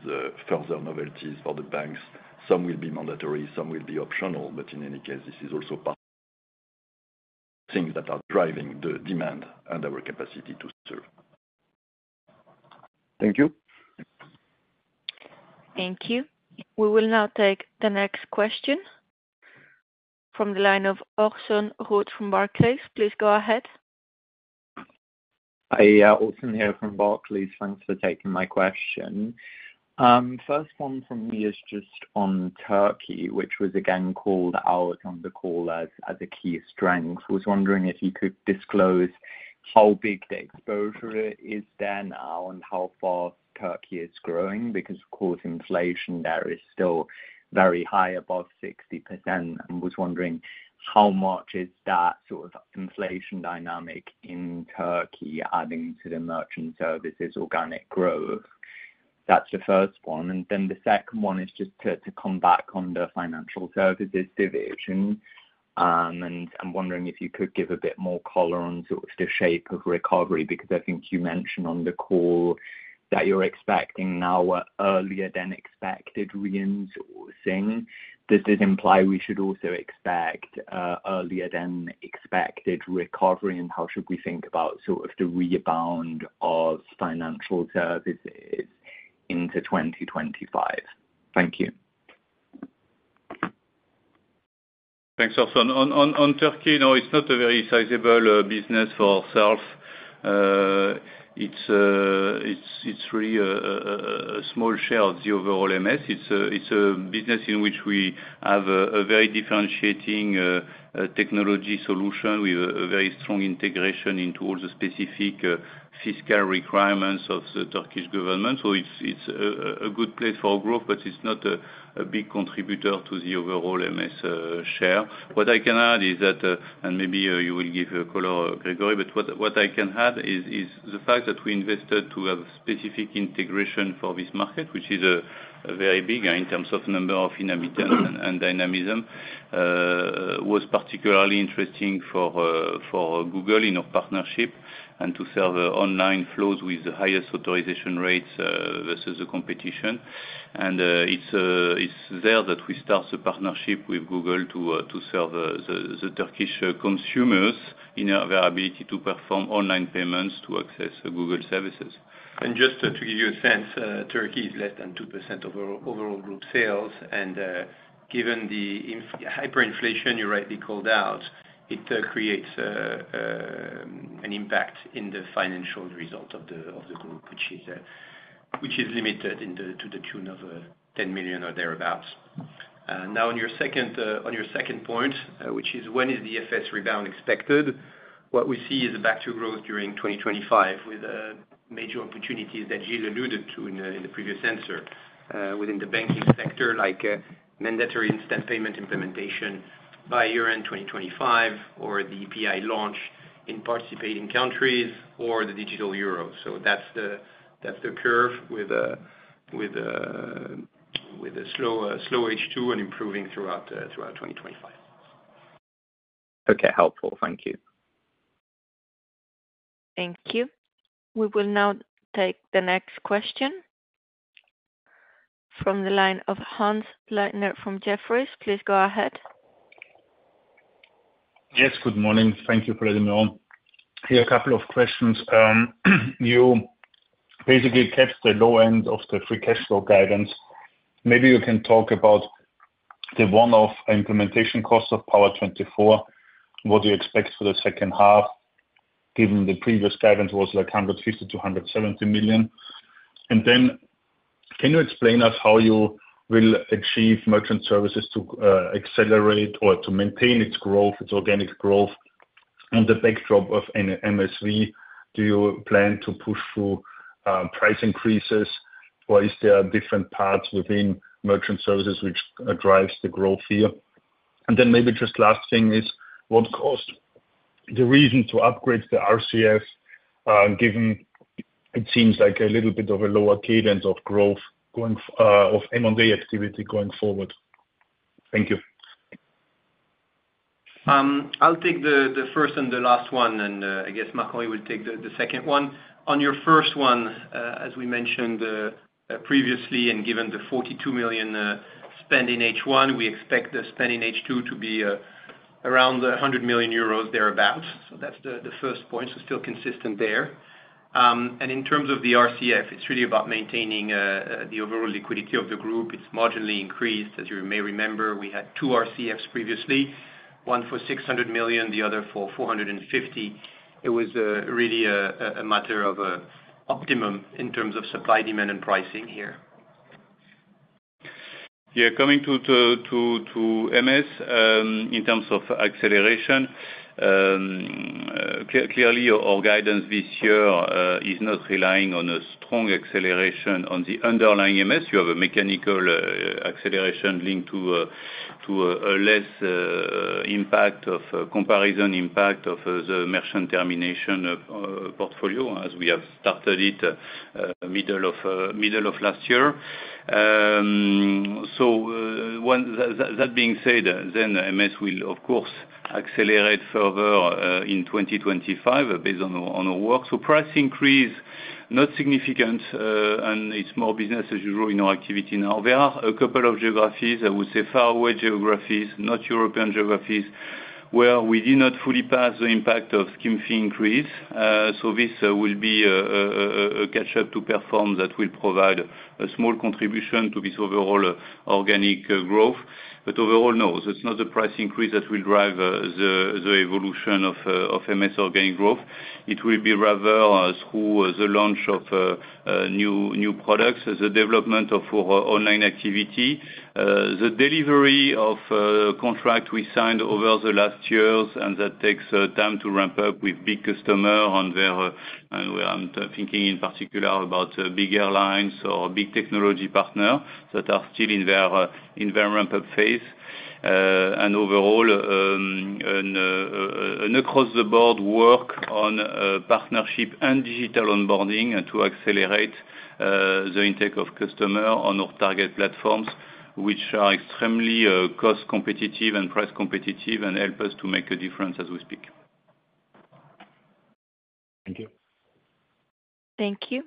S2: further novelties for the banks. Some will be mandatory. Some will be optional. But in any case, this is also things that are driving the demand and our capacity to serve.
S6: Thank you.
S1: Thank you. We will now take the next question from the line of Orson Root from Barclays. Please go ahead.
S7: Hi, Orson here from Barclays. Thanks for taking my question. First one from me is just on Turkey, which was again called out on the call as a key strength. I was wondering if you could disclose how big the exposure is there now and how fast Turkey is growing because, of course, inflation there is still very high, above 60%. And I was wondering how much is that sort of inflation dynamic in Turkey adding to the merchant services organic growth. That's the first one. And then the second one is just to come back on the financial services division. And I'm wondering if you could give a bit more color on sort of the shape of recovery because I think you mentioned on the call that you're expecting now earlier than expected reinsourcing. Does this imply we should also expect earlier than expected recovery, and how should we think about sort of the rebound of financial services into 2025? Thank you.
S2: Thanks, Orson. On Turkey, no, it's not a very sizable business for ourselves. It's really a small share of the overall MS. It's a business in which we have a very differentiating technology solution with a very strong integration into all the specific fiscal requirements of the Turkish government. So it's a good place for growth, but it's not a big contributor to the overall MS share. What I can add is that, and maybe you will give a color, Grégory, but what I can add is the fact that we invested to have specific integration for this market, which is very big in terms of number of inhabitants and dynamism, was particularly interesting for Google in our partnership and to serve online flows with the highest authorization rates versus the competition. And it's there that we start the partnership with Google to serve the Turkish consumers in their ability to perform online payments to access Google services
S3: And just to give you a sense, Turkey is less than 2% of our overall group sales. And given the hyperinflation you rightly called out, it creates an impact in the financial result of the group, which is limited to the tune of 10 million or thereabouts. Now, on your second point, which is when is the FS rebound expected, what we see is a back-to-growth during 2025 with major opportunities that Gilles alluded to in the previous answer within the banking sector, like mandatory instant payment implementation by year-end 2025 or the EPI launch in participating countries or the digital euro. So that's the curve with a slow H2 and improving throughout 2025.
S7: Okay. Helpful. Thank you.
S1: Thank you. We will now take the next question from the line of Hannes Leitner from Jefferies. Please go ahead.
S8: Yes. Good morning. Thank you for letting me on. Here are a couple of questions. You basically kept the low end of the free cash flow guidance. Maybe you can talk about the one-off implementation cost of Power 24, what do you expect for the second half, given the previous guidance was like 150 million-170 million.
S2: Can you explain to us how you will achieve merchant services to accelerate or to maintain its growth, its organic growth on the backdrop of an MSV? Do you plan to push through price increases, or is there different parts within merchant services which drives the growth here? Maybe just last thing is what caused the reason to upgrade the RCF, given it seems like a little bit of a lower cadence of growth of M&A activity going forward?
S8: Thank you.
S4: I'll take the first and the last one, and I guess Marc-Henri will take the second one. On your first one, as we mentioned previously, and given the 42 million spend in H1, we expect the spend in H2 to be around 100 million euros thereabouts. That's the first point. Still consistent there. In terms of the RCF, it's really about maintaining the overall liquidity of the group. It's marginally increased. As you may remember, we had two RCFs previously, one for 600 million, the other for 450 million. It was really a matter of optimum in terms of supply demand and pricing here.
S3: Yeah. Coming to MS in terms of acceleration, clearly, our guidance this year is not relying on a strong acceleration on the underlying MS. You have a mechanical acceleration linked to a less impact of comparison impact of the merchant termination portfolio as we have started it middle of last year. So that being said, then MS will, of course, accelerate further in 2025 based on our work. So price increase, not significant, and it's more business as usual in our activity now. There are a couple of geographies, I would say, far-away geographies, not European geographies, where we did not fully pass the impact of the inflationary increase. So this will be a catch-up to perform that will provide a small contribution to this overall organic growth. But overall, no, it's not the price increase that will drive the evolution of MS organic growth. It will be rather through the launch of new products, the development of our online activity, the delivery of contracts we signed over the last years, and that takes time to ramp up with big customers on their—and we're thinking in particular about big airlines or big technology partners that are still in their ramp-up phase. And overall, an across-the-board work on partnership and digital onboarding to accelerate the intake of customers on our target platforms, which are extremely cost-competitive and price-competitive and help us to make a difference as we speak.
S8: Thank you.
S1: Thank you.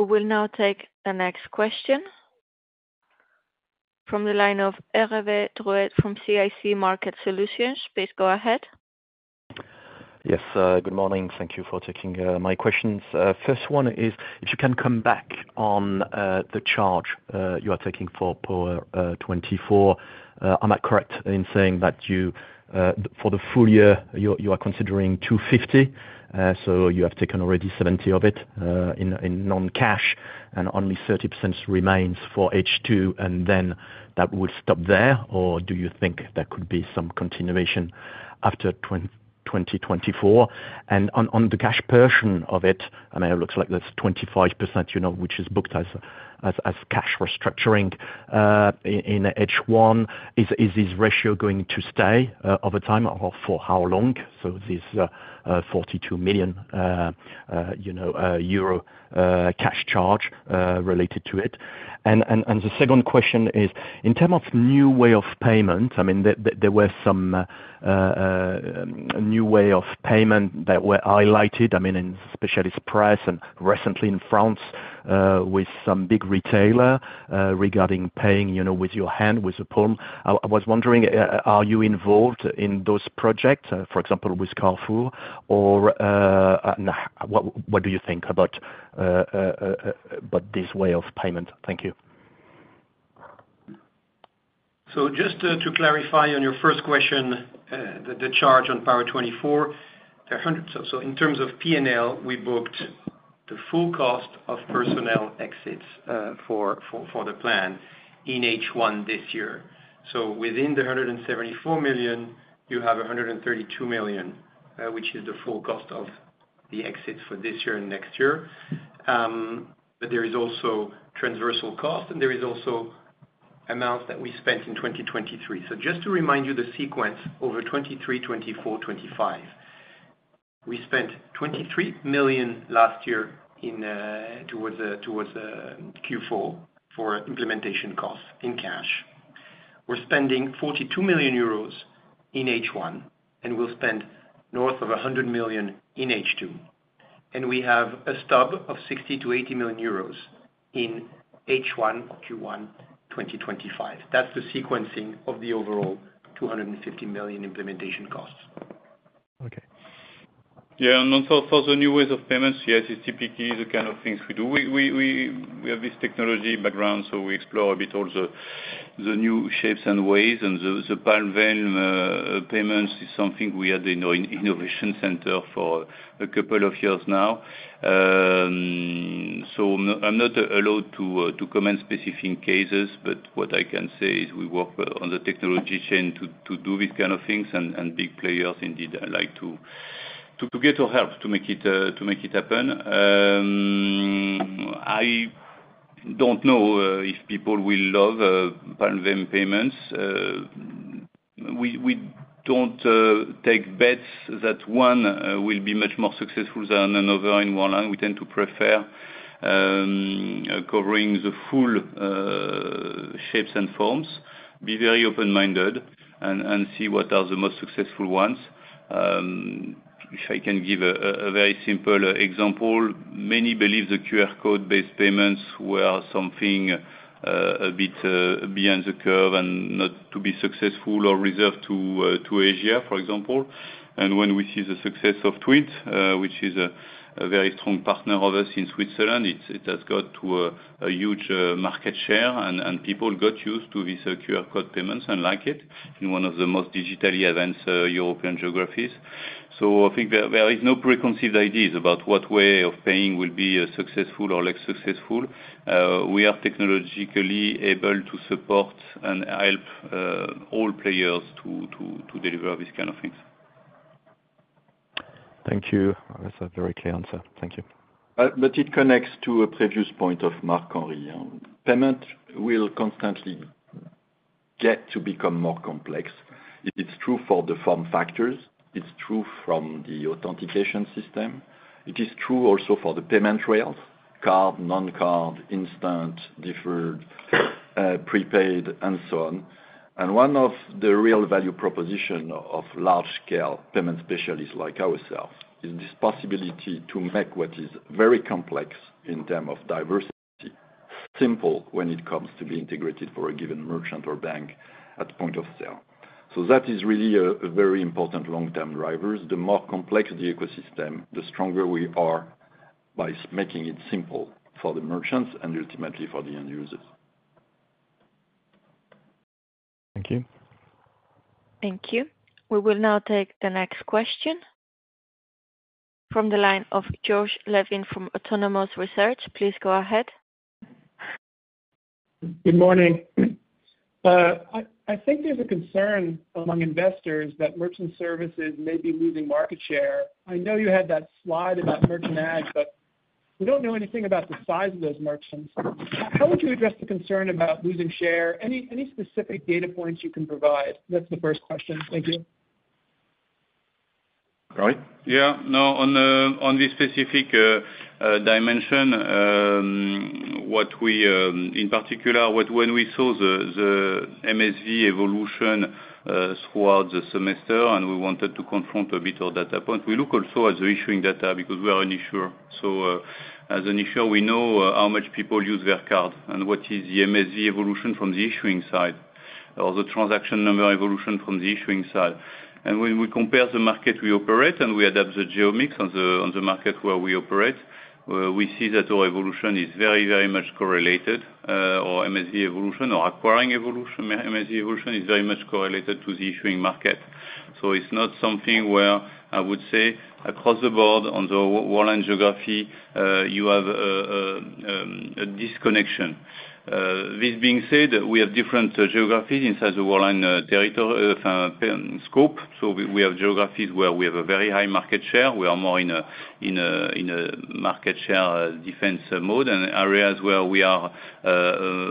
S1: We will now take the next question from the line of Hervé Drouet from CIC Market Solutions. Please go ahead.
S9: Yes. Good morning. Thank you for taking my questions. First one is if you can come back on the charge you are taking for Power24. Am I correct in saying that for the full year, you are considering 250 million? So you have taken already 70 million of it in non-cash, and only 30% remains for H2, and then that would stop there, or do you think there could be some continuation after 2024? On the cash portion of it, I mean, it looks like there's 25% which is booked as cash restructuring in H1. Is this ratio going to stay over time or for how long? So this 42 million cash charge related to it? And the second question is in terms of new way of payment, I mean, there were some new way of payment that were highlighted, I mean, in specialist press and recently in France with some big retailer regarding paying with your hand, with a palm. I was wondering, are you involved in those projects, for example, with Carrefour, or what do you think about this way of payment? Thank you.
S2: So just to clarify on your first question, the charge on Power24, so in terms of P&L, we booked the full cost of personnel exits for the plan in H1 this year. So within the 174 million, you have 132 million, which is the full cost of the exits for this year and next year. But there is also transversal cost, and there is also amounts that we spent in 2023. So just to remind you the sequence over 2023, 2024, 2025, we spent 23 million last year towards Q4 for implementation costs in cash. We're spending 42 million euros in H1, and we'll spend north of 100 million in H2. And we have a stub of 60 million-80 million euros in H1 Q1 2025. That's the sequencing of the overall 250 million implementation costs.
S3: Okay. Yeah. And also for the new ways of payments, yes, it's typically the kind of things we do. We have this technology background, so we explore a bit all the new shapes and ways. The palm vein payments is something we had in our innovation center for a couple of years now. So I'm not allowed to comment on specific cases, but what I can say is we work on the technology chain to do these kind of things, and big players indeed like to get your help to make it happen. I don't know if people will love palm vein payments. We don't take bets that one will be much more successful than another in one line. We tend to prefer covering the full shapes and forms, be very open-minded, and see what are the most successful ones. If I can give a very simple example, many believe the QR code-based payments were something a bit beyond the curve and not to be successful or reserved to Asia, for example. And when we see the success of TWINT, which is a very strong partner of us in Switzerland, it has got a huge market share, and people got used to these QR code payments and like it in one of the most digitally advanced European geographies. So I think there is no preconceived ideas about what way of paying will be successful or less successful. We are technologically able to support and help all players to deliver these kind of things.
S9: Thank you. That's a very clear answer. Thank you.
S2: But it connects to a previous point of Marc-Henri. Payment will constantly get to become more complex. It's true for the form factors. It's true from the authentication system. It is true also for the payment rails: card, non-card, instant, deferred, prepaid, and so on. And one of the real value propositions of large-scale payment specialists like ourselves is this possibility to make what is very complex in terms of diversity simple when it comes to be integrated for a given merchant or bank at point of sale. So that is really a very important long-term driver. The more complex the ecosystem, the stronger we are by making it simple for the merchants and ultimately for the end users.
S9: Thank you.
S1: Thank you. We will now take the next question from the line of Josh Levin from Autonomous Research. Please go ahead.
S10: Good morning. I think there's a concern among investors that merchant services may be losing market share. I know you had that slide about merchant adds, but we don't know anything about the size of those merchants. How would you address the concern about losing share? Any specific data points you can provide? That's the first question. Thank you.
S2: Right. Yeah. No, on the specific dimension, what we in particular, when we saw the MSV evolution throughout the semester and we wanted to confront a bit of data point, we look also at the issuing data because we are an issuer. So as an issuer, we know how much people use their card and what is the MSV evolution from the issuing side or the transaction number evolution from the issuing side. And when we compare the market we operate and we adapt the geo mix on the market where we operate, we see that our evolution is very, very much correlated. Our MSV evolution or acquiring evolution, MSV evolution is very much correlated to the issuing market. So it's not something where I would say across the board on the Worldline geography, you have a disconnection. This being said, we have different geographies inside the Worldline scope. So we have geographies where we have a very high market share. We are more in a market share defense mode and areas where we are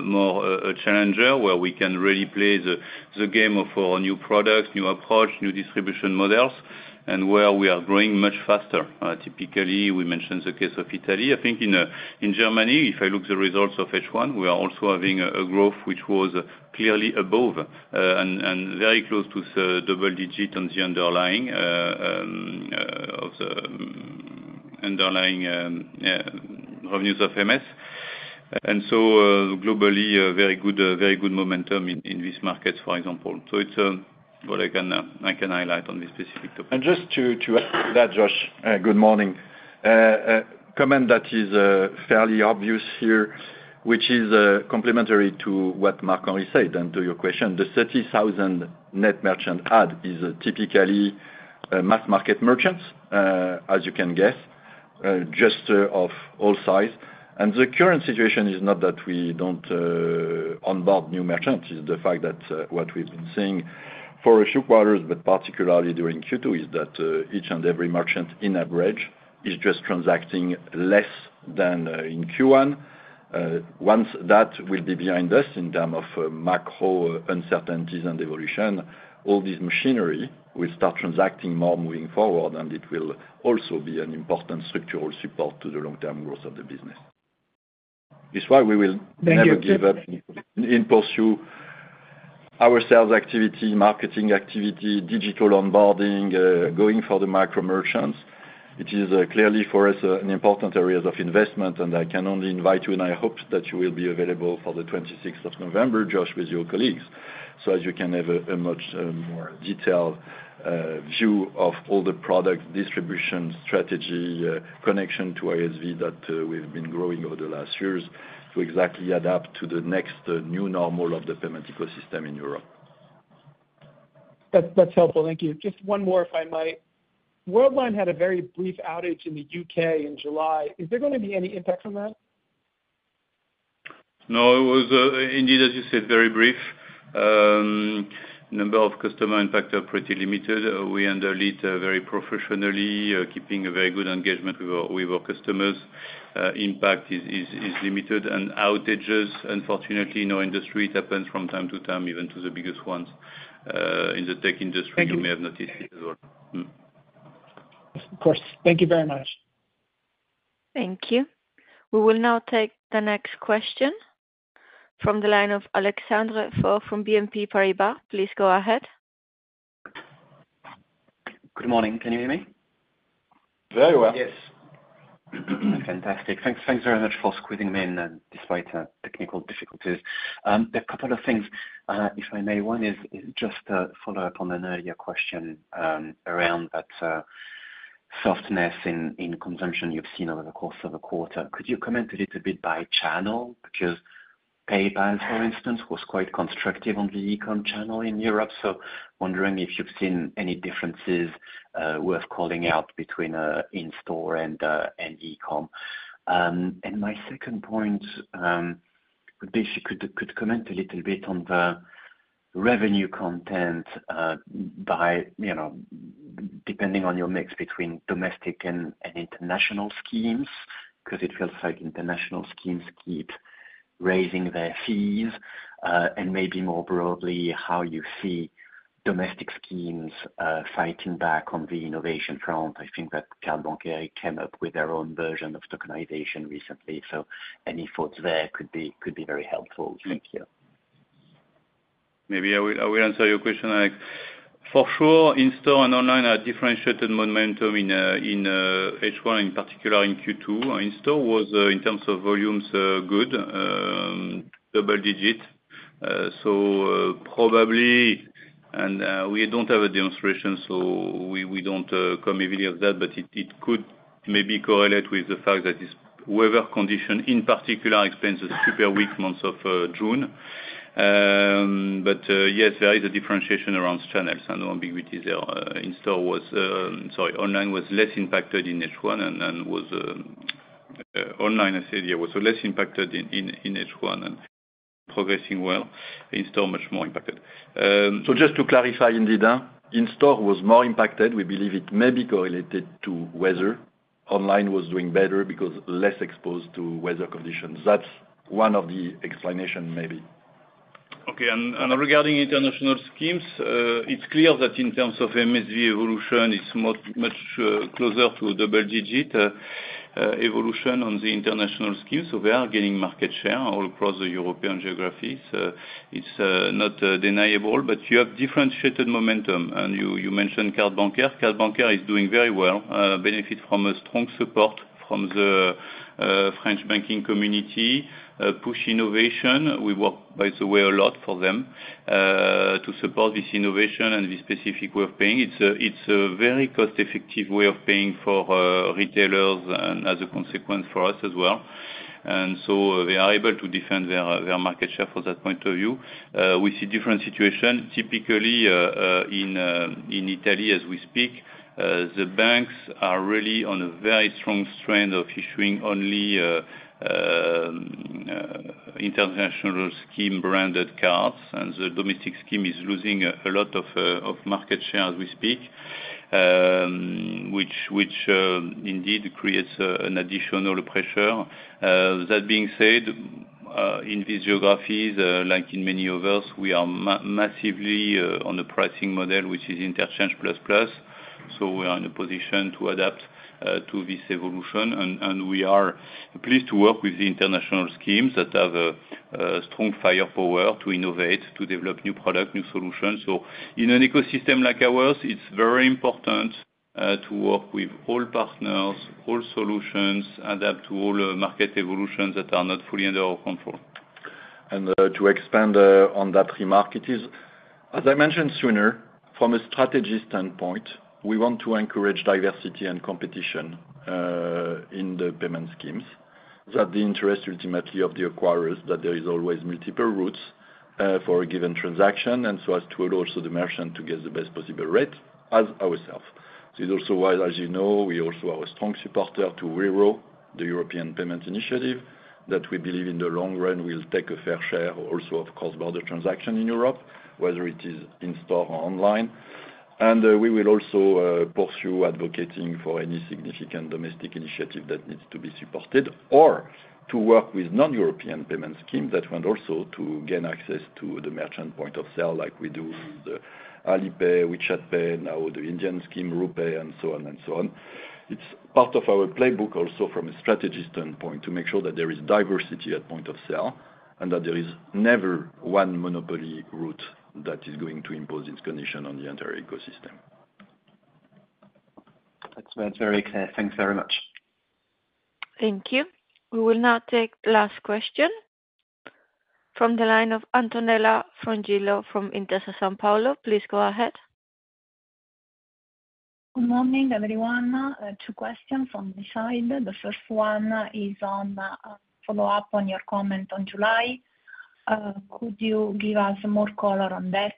S2: more a challenger where we can really play the game of our new products, new approach, new distribution models, and where we are growing much faster. Typically, we mentioned the case of Italy. I think in Germany, if I look at the results of H1, we are also having a growth which was clearly above and very close to the double digit on the underlying revenues of MS. And so globally, very good momentum in these markets, for example. So it's what I can highlight on this specific topic.
S4: And just to add to that, Josh, good morning. Comment that is fairly obvious here, which is complementary to what Marc-Henri said and to your question. The 30,000 net merchant add is typically mass market merchants, as you can guess, just of all sizes. And the current situation is not that we don't onboard new merchants. It's the fact that what we've been seeing for a few quarters, but particularly during Q2, is that each and every merchant on average is just transacting less than in Q1. Once that will be behind us in terms of macro uncertainties and evolution, all this machinery will start transacting more moving forward, and it will also be an important structural support to the long-term growth of the business. It's why we will never give up in pursuit of our sales activity, marketing activity, digital onboarding, going for the micro merchants.
S2: It is clearly for us an important area of investment, and I can only invite you, and I hope that you will be available for the 26th of November, Josh, with your colleagues, so that you can have a much more detailed view of all the product distribution strategy, connection to ISV that we've been growing over the last years to exactly adapt to the next new normal of the payment ecosystem in Europe.
S10: That's helpful. Thank you. Just one more, if I might. Worldline had a very brief outage in the U.K. in July. Is there going to be any impact from that?
S3: No, it was indeed, as you said, very brief. Number of customer impact are pretty limited. We handle it very professionally, keeping a very good engagement with our customers. Impact is limited. Outages, unfortunately, in our industry, it happens from time to time, even to the biggest ones in the tech industry. You may have noticed it as well.
S10: Of course. Thank you very much.
S1: Thank you. We will now take the next question from the line of Alexandre Faure from BNP Paribas. Please go ahead.
S11: Good morning. Can you hear me?
S2: Very well. Yes.
S11: Fantastic. Thanks very much for squeezing me in despite technical difficulties. A couple of things, if I may. One is just a follow-up on an earlier question around that softness in consumption you've seen over the course of a quarter. Could you comment a little bit by channel? Because PayPal, for instance, was quite constructive on the e-com channel in Europe. So wondering if you've seen any differences worth calling out between in-store and e-com. And my second point would be if you could comment a little bit on the revenue content by depending on your mix between domestic and international schemes, because it feels like international schemes keep raising their fees. And maybe more broadly, how you see domestic schemes fighting back on the innovation front. I think that Cartes Bancaires came up with their own version of tokenization recently. So any thoughts there could be very helpful. Thank you.
S3: Maybe I will answer your question. For sure, in-store and online are differentiated momentum in H1, in particular in Q2. In-store was, in terms of volumes, good, double digit. So probably, and we don't have a demonstration, so we don't come immediately with that, but it could maybe correlate with the fact that this weather condition in particular explains the super weak months of June. But yes, there is a differentiation around channels. No ambiguity there. In-store was, sorry, online was less impacted in H1, and online, I said, yeah, was less impacted in H1 and progressing well. In-store, much more impacted. So just to clarify indeed, in-store was more impacted. We believe it may be correlated to weather. Online was doing better because less exposed to weather conditions. That's one of the explanations maybe. Okay. Regarding international schemes, it's clear that in terms of MSV evolution, it's much closer to double-digit evolution on the international schemes. So they are gaining market share all across the European geographies. It's not deniable, but you have differentiated momentum. You mentioned Cartes Bancaires. Cartes Bancaires is doing very well, benefit from a strong support from the French banking community, push innovation. We work, by the way, a lot for them to support this innovation and this specific way of paying. It's a very cost-effective way of paying for retailers and as a consequence for us as well. And so they are able to defend their market share from that point of view. We see different situations. Typically, in Italy, as we speak, the banks are really on a very strong strain of issuing only international scheme-branded cards. And the domestic scheme is losing a lot of market share as we speak, which indeed creates an additional pressure. That being said, in these geographies, like in many others, we are massively on a pricing model which is Interchange Plus-Plus. So we are in a position to adapt to this evolution. And we are pleased to work with the international schemes that have a strong firepower to innovate, to develop new products, new solutions. So in an ecosystem like ours, it's very important to work with all partners, all solutions, adapt to all market evolutions that are not fully under our control.
S4: And to expand on that remark, it is, as I mentioned sooner, from a strategy standpoint, we want to encourage diversity and competition in the payment schemes. That's the interest ultimately of the acquirers, that there is always multiple routes for a given transaction, and so as to allow also the merchant to get the best possible rate as ourselves. So it's also why, as you know, we also are a strong supporter to EPI, the European Payments Initiative, that we believe in the long run will take a fair share also, of course, by the transaction in Europe, whether it is in-store or online. And we will also pursue advocating for any significant domestic initiative that needs to be supported or to work with non-European payment schemes that want also to gain access to the merchant point of sale like we do with Alipay, WeChat Pay, now the Indian scheme, RuPay, and so on and so on. It's part of our playbook also from a strategy standpoint to make sure that there is diversity at point of sale and that there is never one monopoly route that is going to impose its condition on the entire ecosystem. That's very clear.
S11: Thanks very much.
S1: Thank you. We will now take the last question from the line of Antonella Frangillo from Intesa Sanpaolo. Please go ahead.
S12: Good morning, everyone. Two questions on my side. The first one is on follow-up on your comment on July. Could you give us more color on that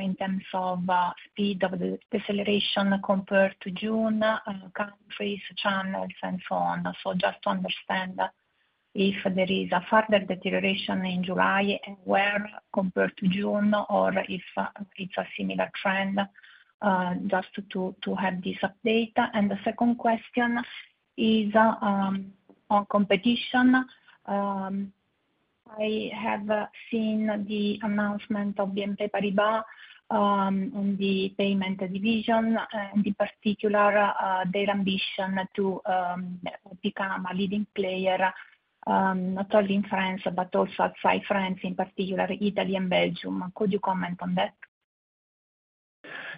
S12: in terms of speed of the deceleration compared to June, countries, channels, and so on? So just to understand if there is a further deterioration in July and where compared to June, or if it's a similar trend, just to have this update. And the second question is on competition. I have seen the announcement of BNP Paribas on the payment division and in particular their ambition to become a leading player, not only in France but also outside France, in particular Italy and Belgium. Could you comment on that?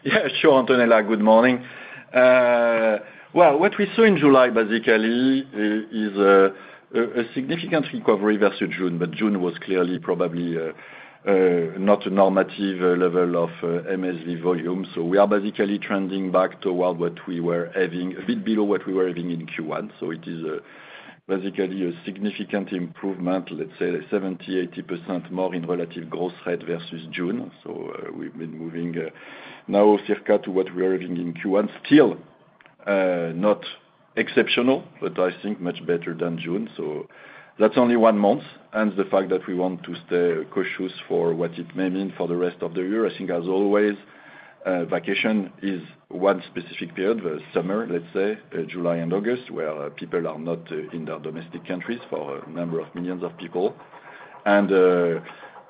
S3: Yeah, sure, Antonella. Good morning. Well, what we saw in July, basically, is a significant recovery versus June, but June was clearly probably not a normative level of MSV volume. So we are basically trending back toward what we were having, a bit below what we were having in Q1. So it is basically a significant improvement, let's say 70%-80% more in relative gross rate versus June. So we've been moving now circa to what we were having in Q1. Still not exceptional, but I think much better than June. So that's only one month. And the fact that we want to stay cautious for what it may mean for the rest of the year. I think, as always, vacation is one specific period, the summer, let's say, July and August, where people are not in their domestic countries for a number of millions of people. And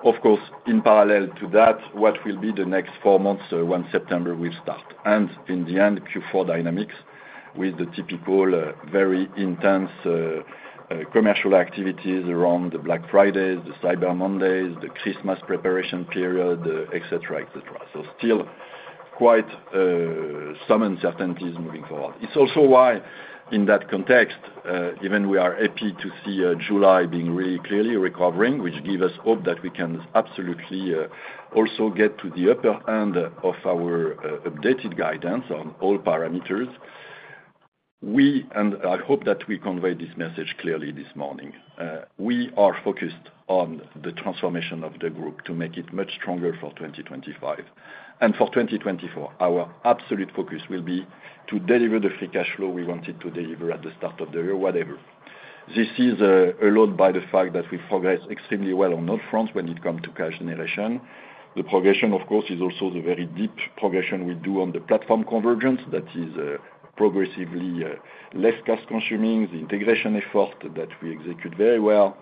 S3: of course, in parallel to that, what will be the next four months, when September will start? And in the end, Q4 dynamics with the typical very intense commercial activities around the Black Fridays, the Cyber Mondays, the Christmas preparation period, etc., etc. So still quite some uncertainties moving forward. It's also why, in that context, even we are happy to see July being really clearly recovering, which gives us hope that we can absolutely also get to the upper end of our updated guidance on all parameters. I hope that we conveyed this message clearly this morning. We are focused on the transformation of the group to make it much stronger for 2025 and for 2024. Our absolute focus will be to deliver the free cash flow we wanted to deliver at the start of the year, whatever. This is a lot by the fact that we progress extremely well on all fronts when it comes to cash generation. The progression, of course, is also the very deep progression we do on the platform convergence that is progressively less cash-consuming, the integration effort that we execute very well,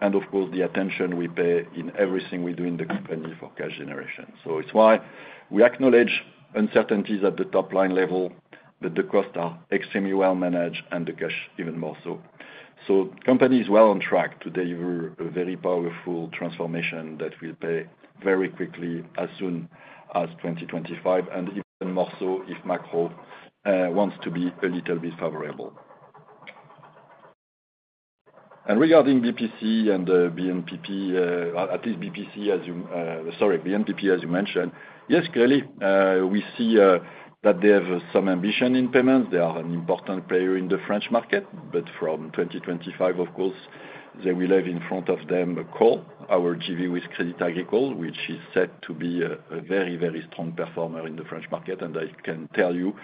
S3: and of course, the attention we pay in everything we do in the company for cash generation. So it's why we acknowledge uncertainties at the top-line level, but the costs are extremely well managed and the cash even more so. So the company is well on track to deliver a very powerful transformation that we'll pay very quickly as soon as 2025, and even more so if macro wants to be a little bit favorable. And regarding BPC and BNPP, at least BPC, sorry, BNPP, as you mentioned, yes, clearly, we see that they have some ambition in payments. They are an important player in the French market, but from 2025, of course, they will have in front of them CAWL, our JV with Crédit Agricole, which is set to be a very, very strong performer in the French market. And I can tell you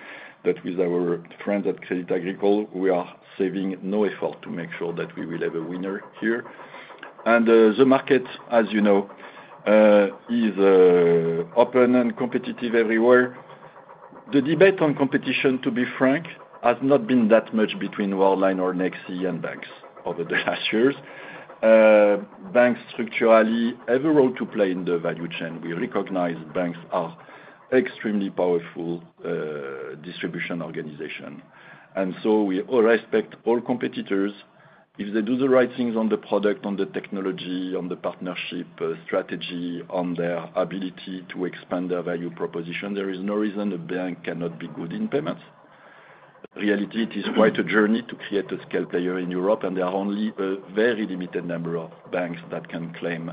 S3: that with our friends at Crédit Agricole, we are sparing no effort to make sure that we will have a winner here. And the market, as you know, is open and competitive everywhere. The debate on competition, to be frank, has not been that much between Worldline or Nexi and banks over the last years. Banks structurally have a role to play in the value chain. We recognize banks are extremely powerful distribution organizations. And so we all respect all competitors. If they do the right things on the product, on the technology, on the partnership strategy, on their ability to expand their value proposition, there is no reason a bank cannot be good in payments. In reality, it is quite a journey to create a scale player in Europe, and there are only a very limited number of banks that can claim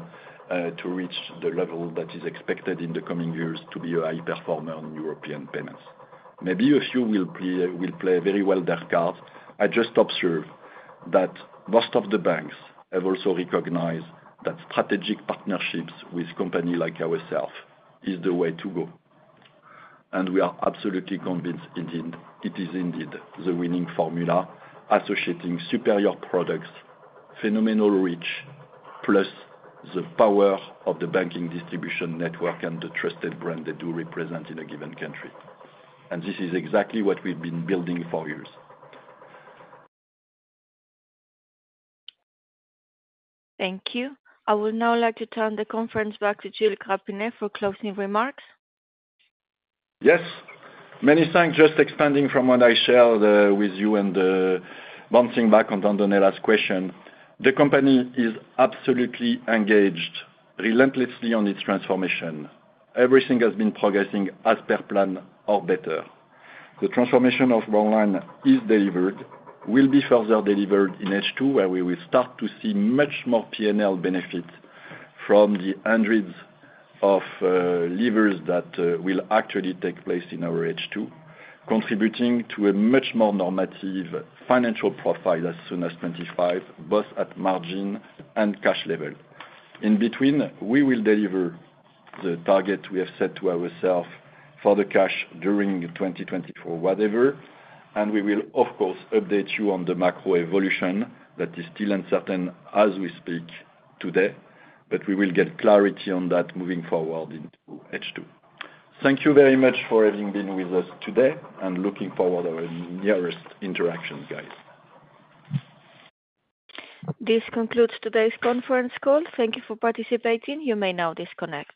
S3: to reach the level that is expected in the coming years to be a high performer in European payments. Maybe a few will play very well their cards. I just observe that most of the banks have also recognized that strategic partnerships with companies like ourselves is the way to go. And we are absolutely convinced it is indeed the winning formula associating superior products, phenomenal reach, plus the power of the banking distribution network and the trusted brand they do represent in a given country. And this is exactly what we've been building for years.
S1: Thank you. I would now like to turn the conference back to Gilles Grapinet for closing remarks.
S2: Yes. Many thanks. Just expanding from what I shared with you and bouncing back onto Antonella's question, the company is absolutely engaged relentlessly on its transformation. Everything has been progressing as per plan or better. The transformation of Worldline is delivered, will be further delivered in H2, where we will start to see much more P&L benefits from the hundreds of levers that will actually take place in our H2, contributing to a much more normative financial profile as soon as 2025, both at margin and cash level. In between, we will deliver the target we have set to ourselves for the cash during 2024, whatever. We will, of course, update you on the macro evolution that is still uncertain as we speak today, but we will get clarity on that moving forward into H2. Thank you very much for having been with us today and looking forward to our nearest interaction, guys.
S1: This concludes today's conference call. Thank you for participating. You may now disconnect.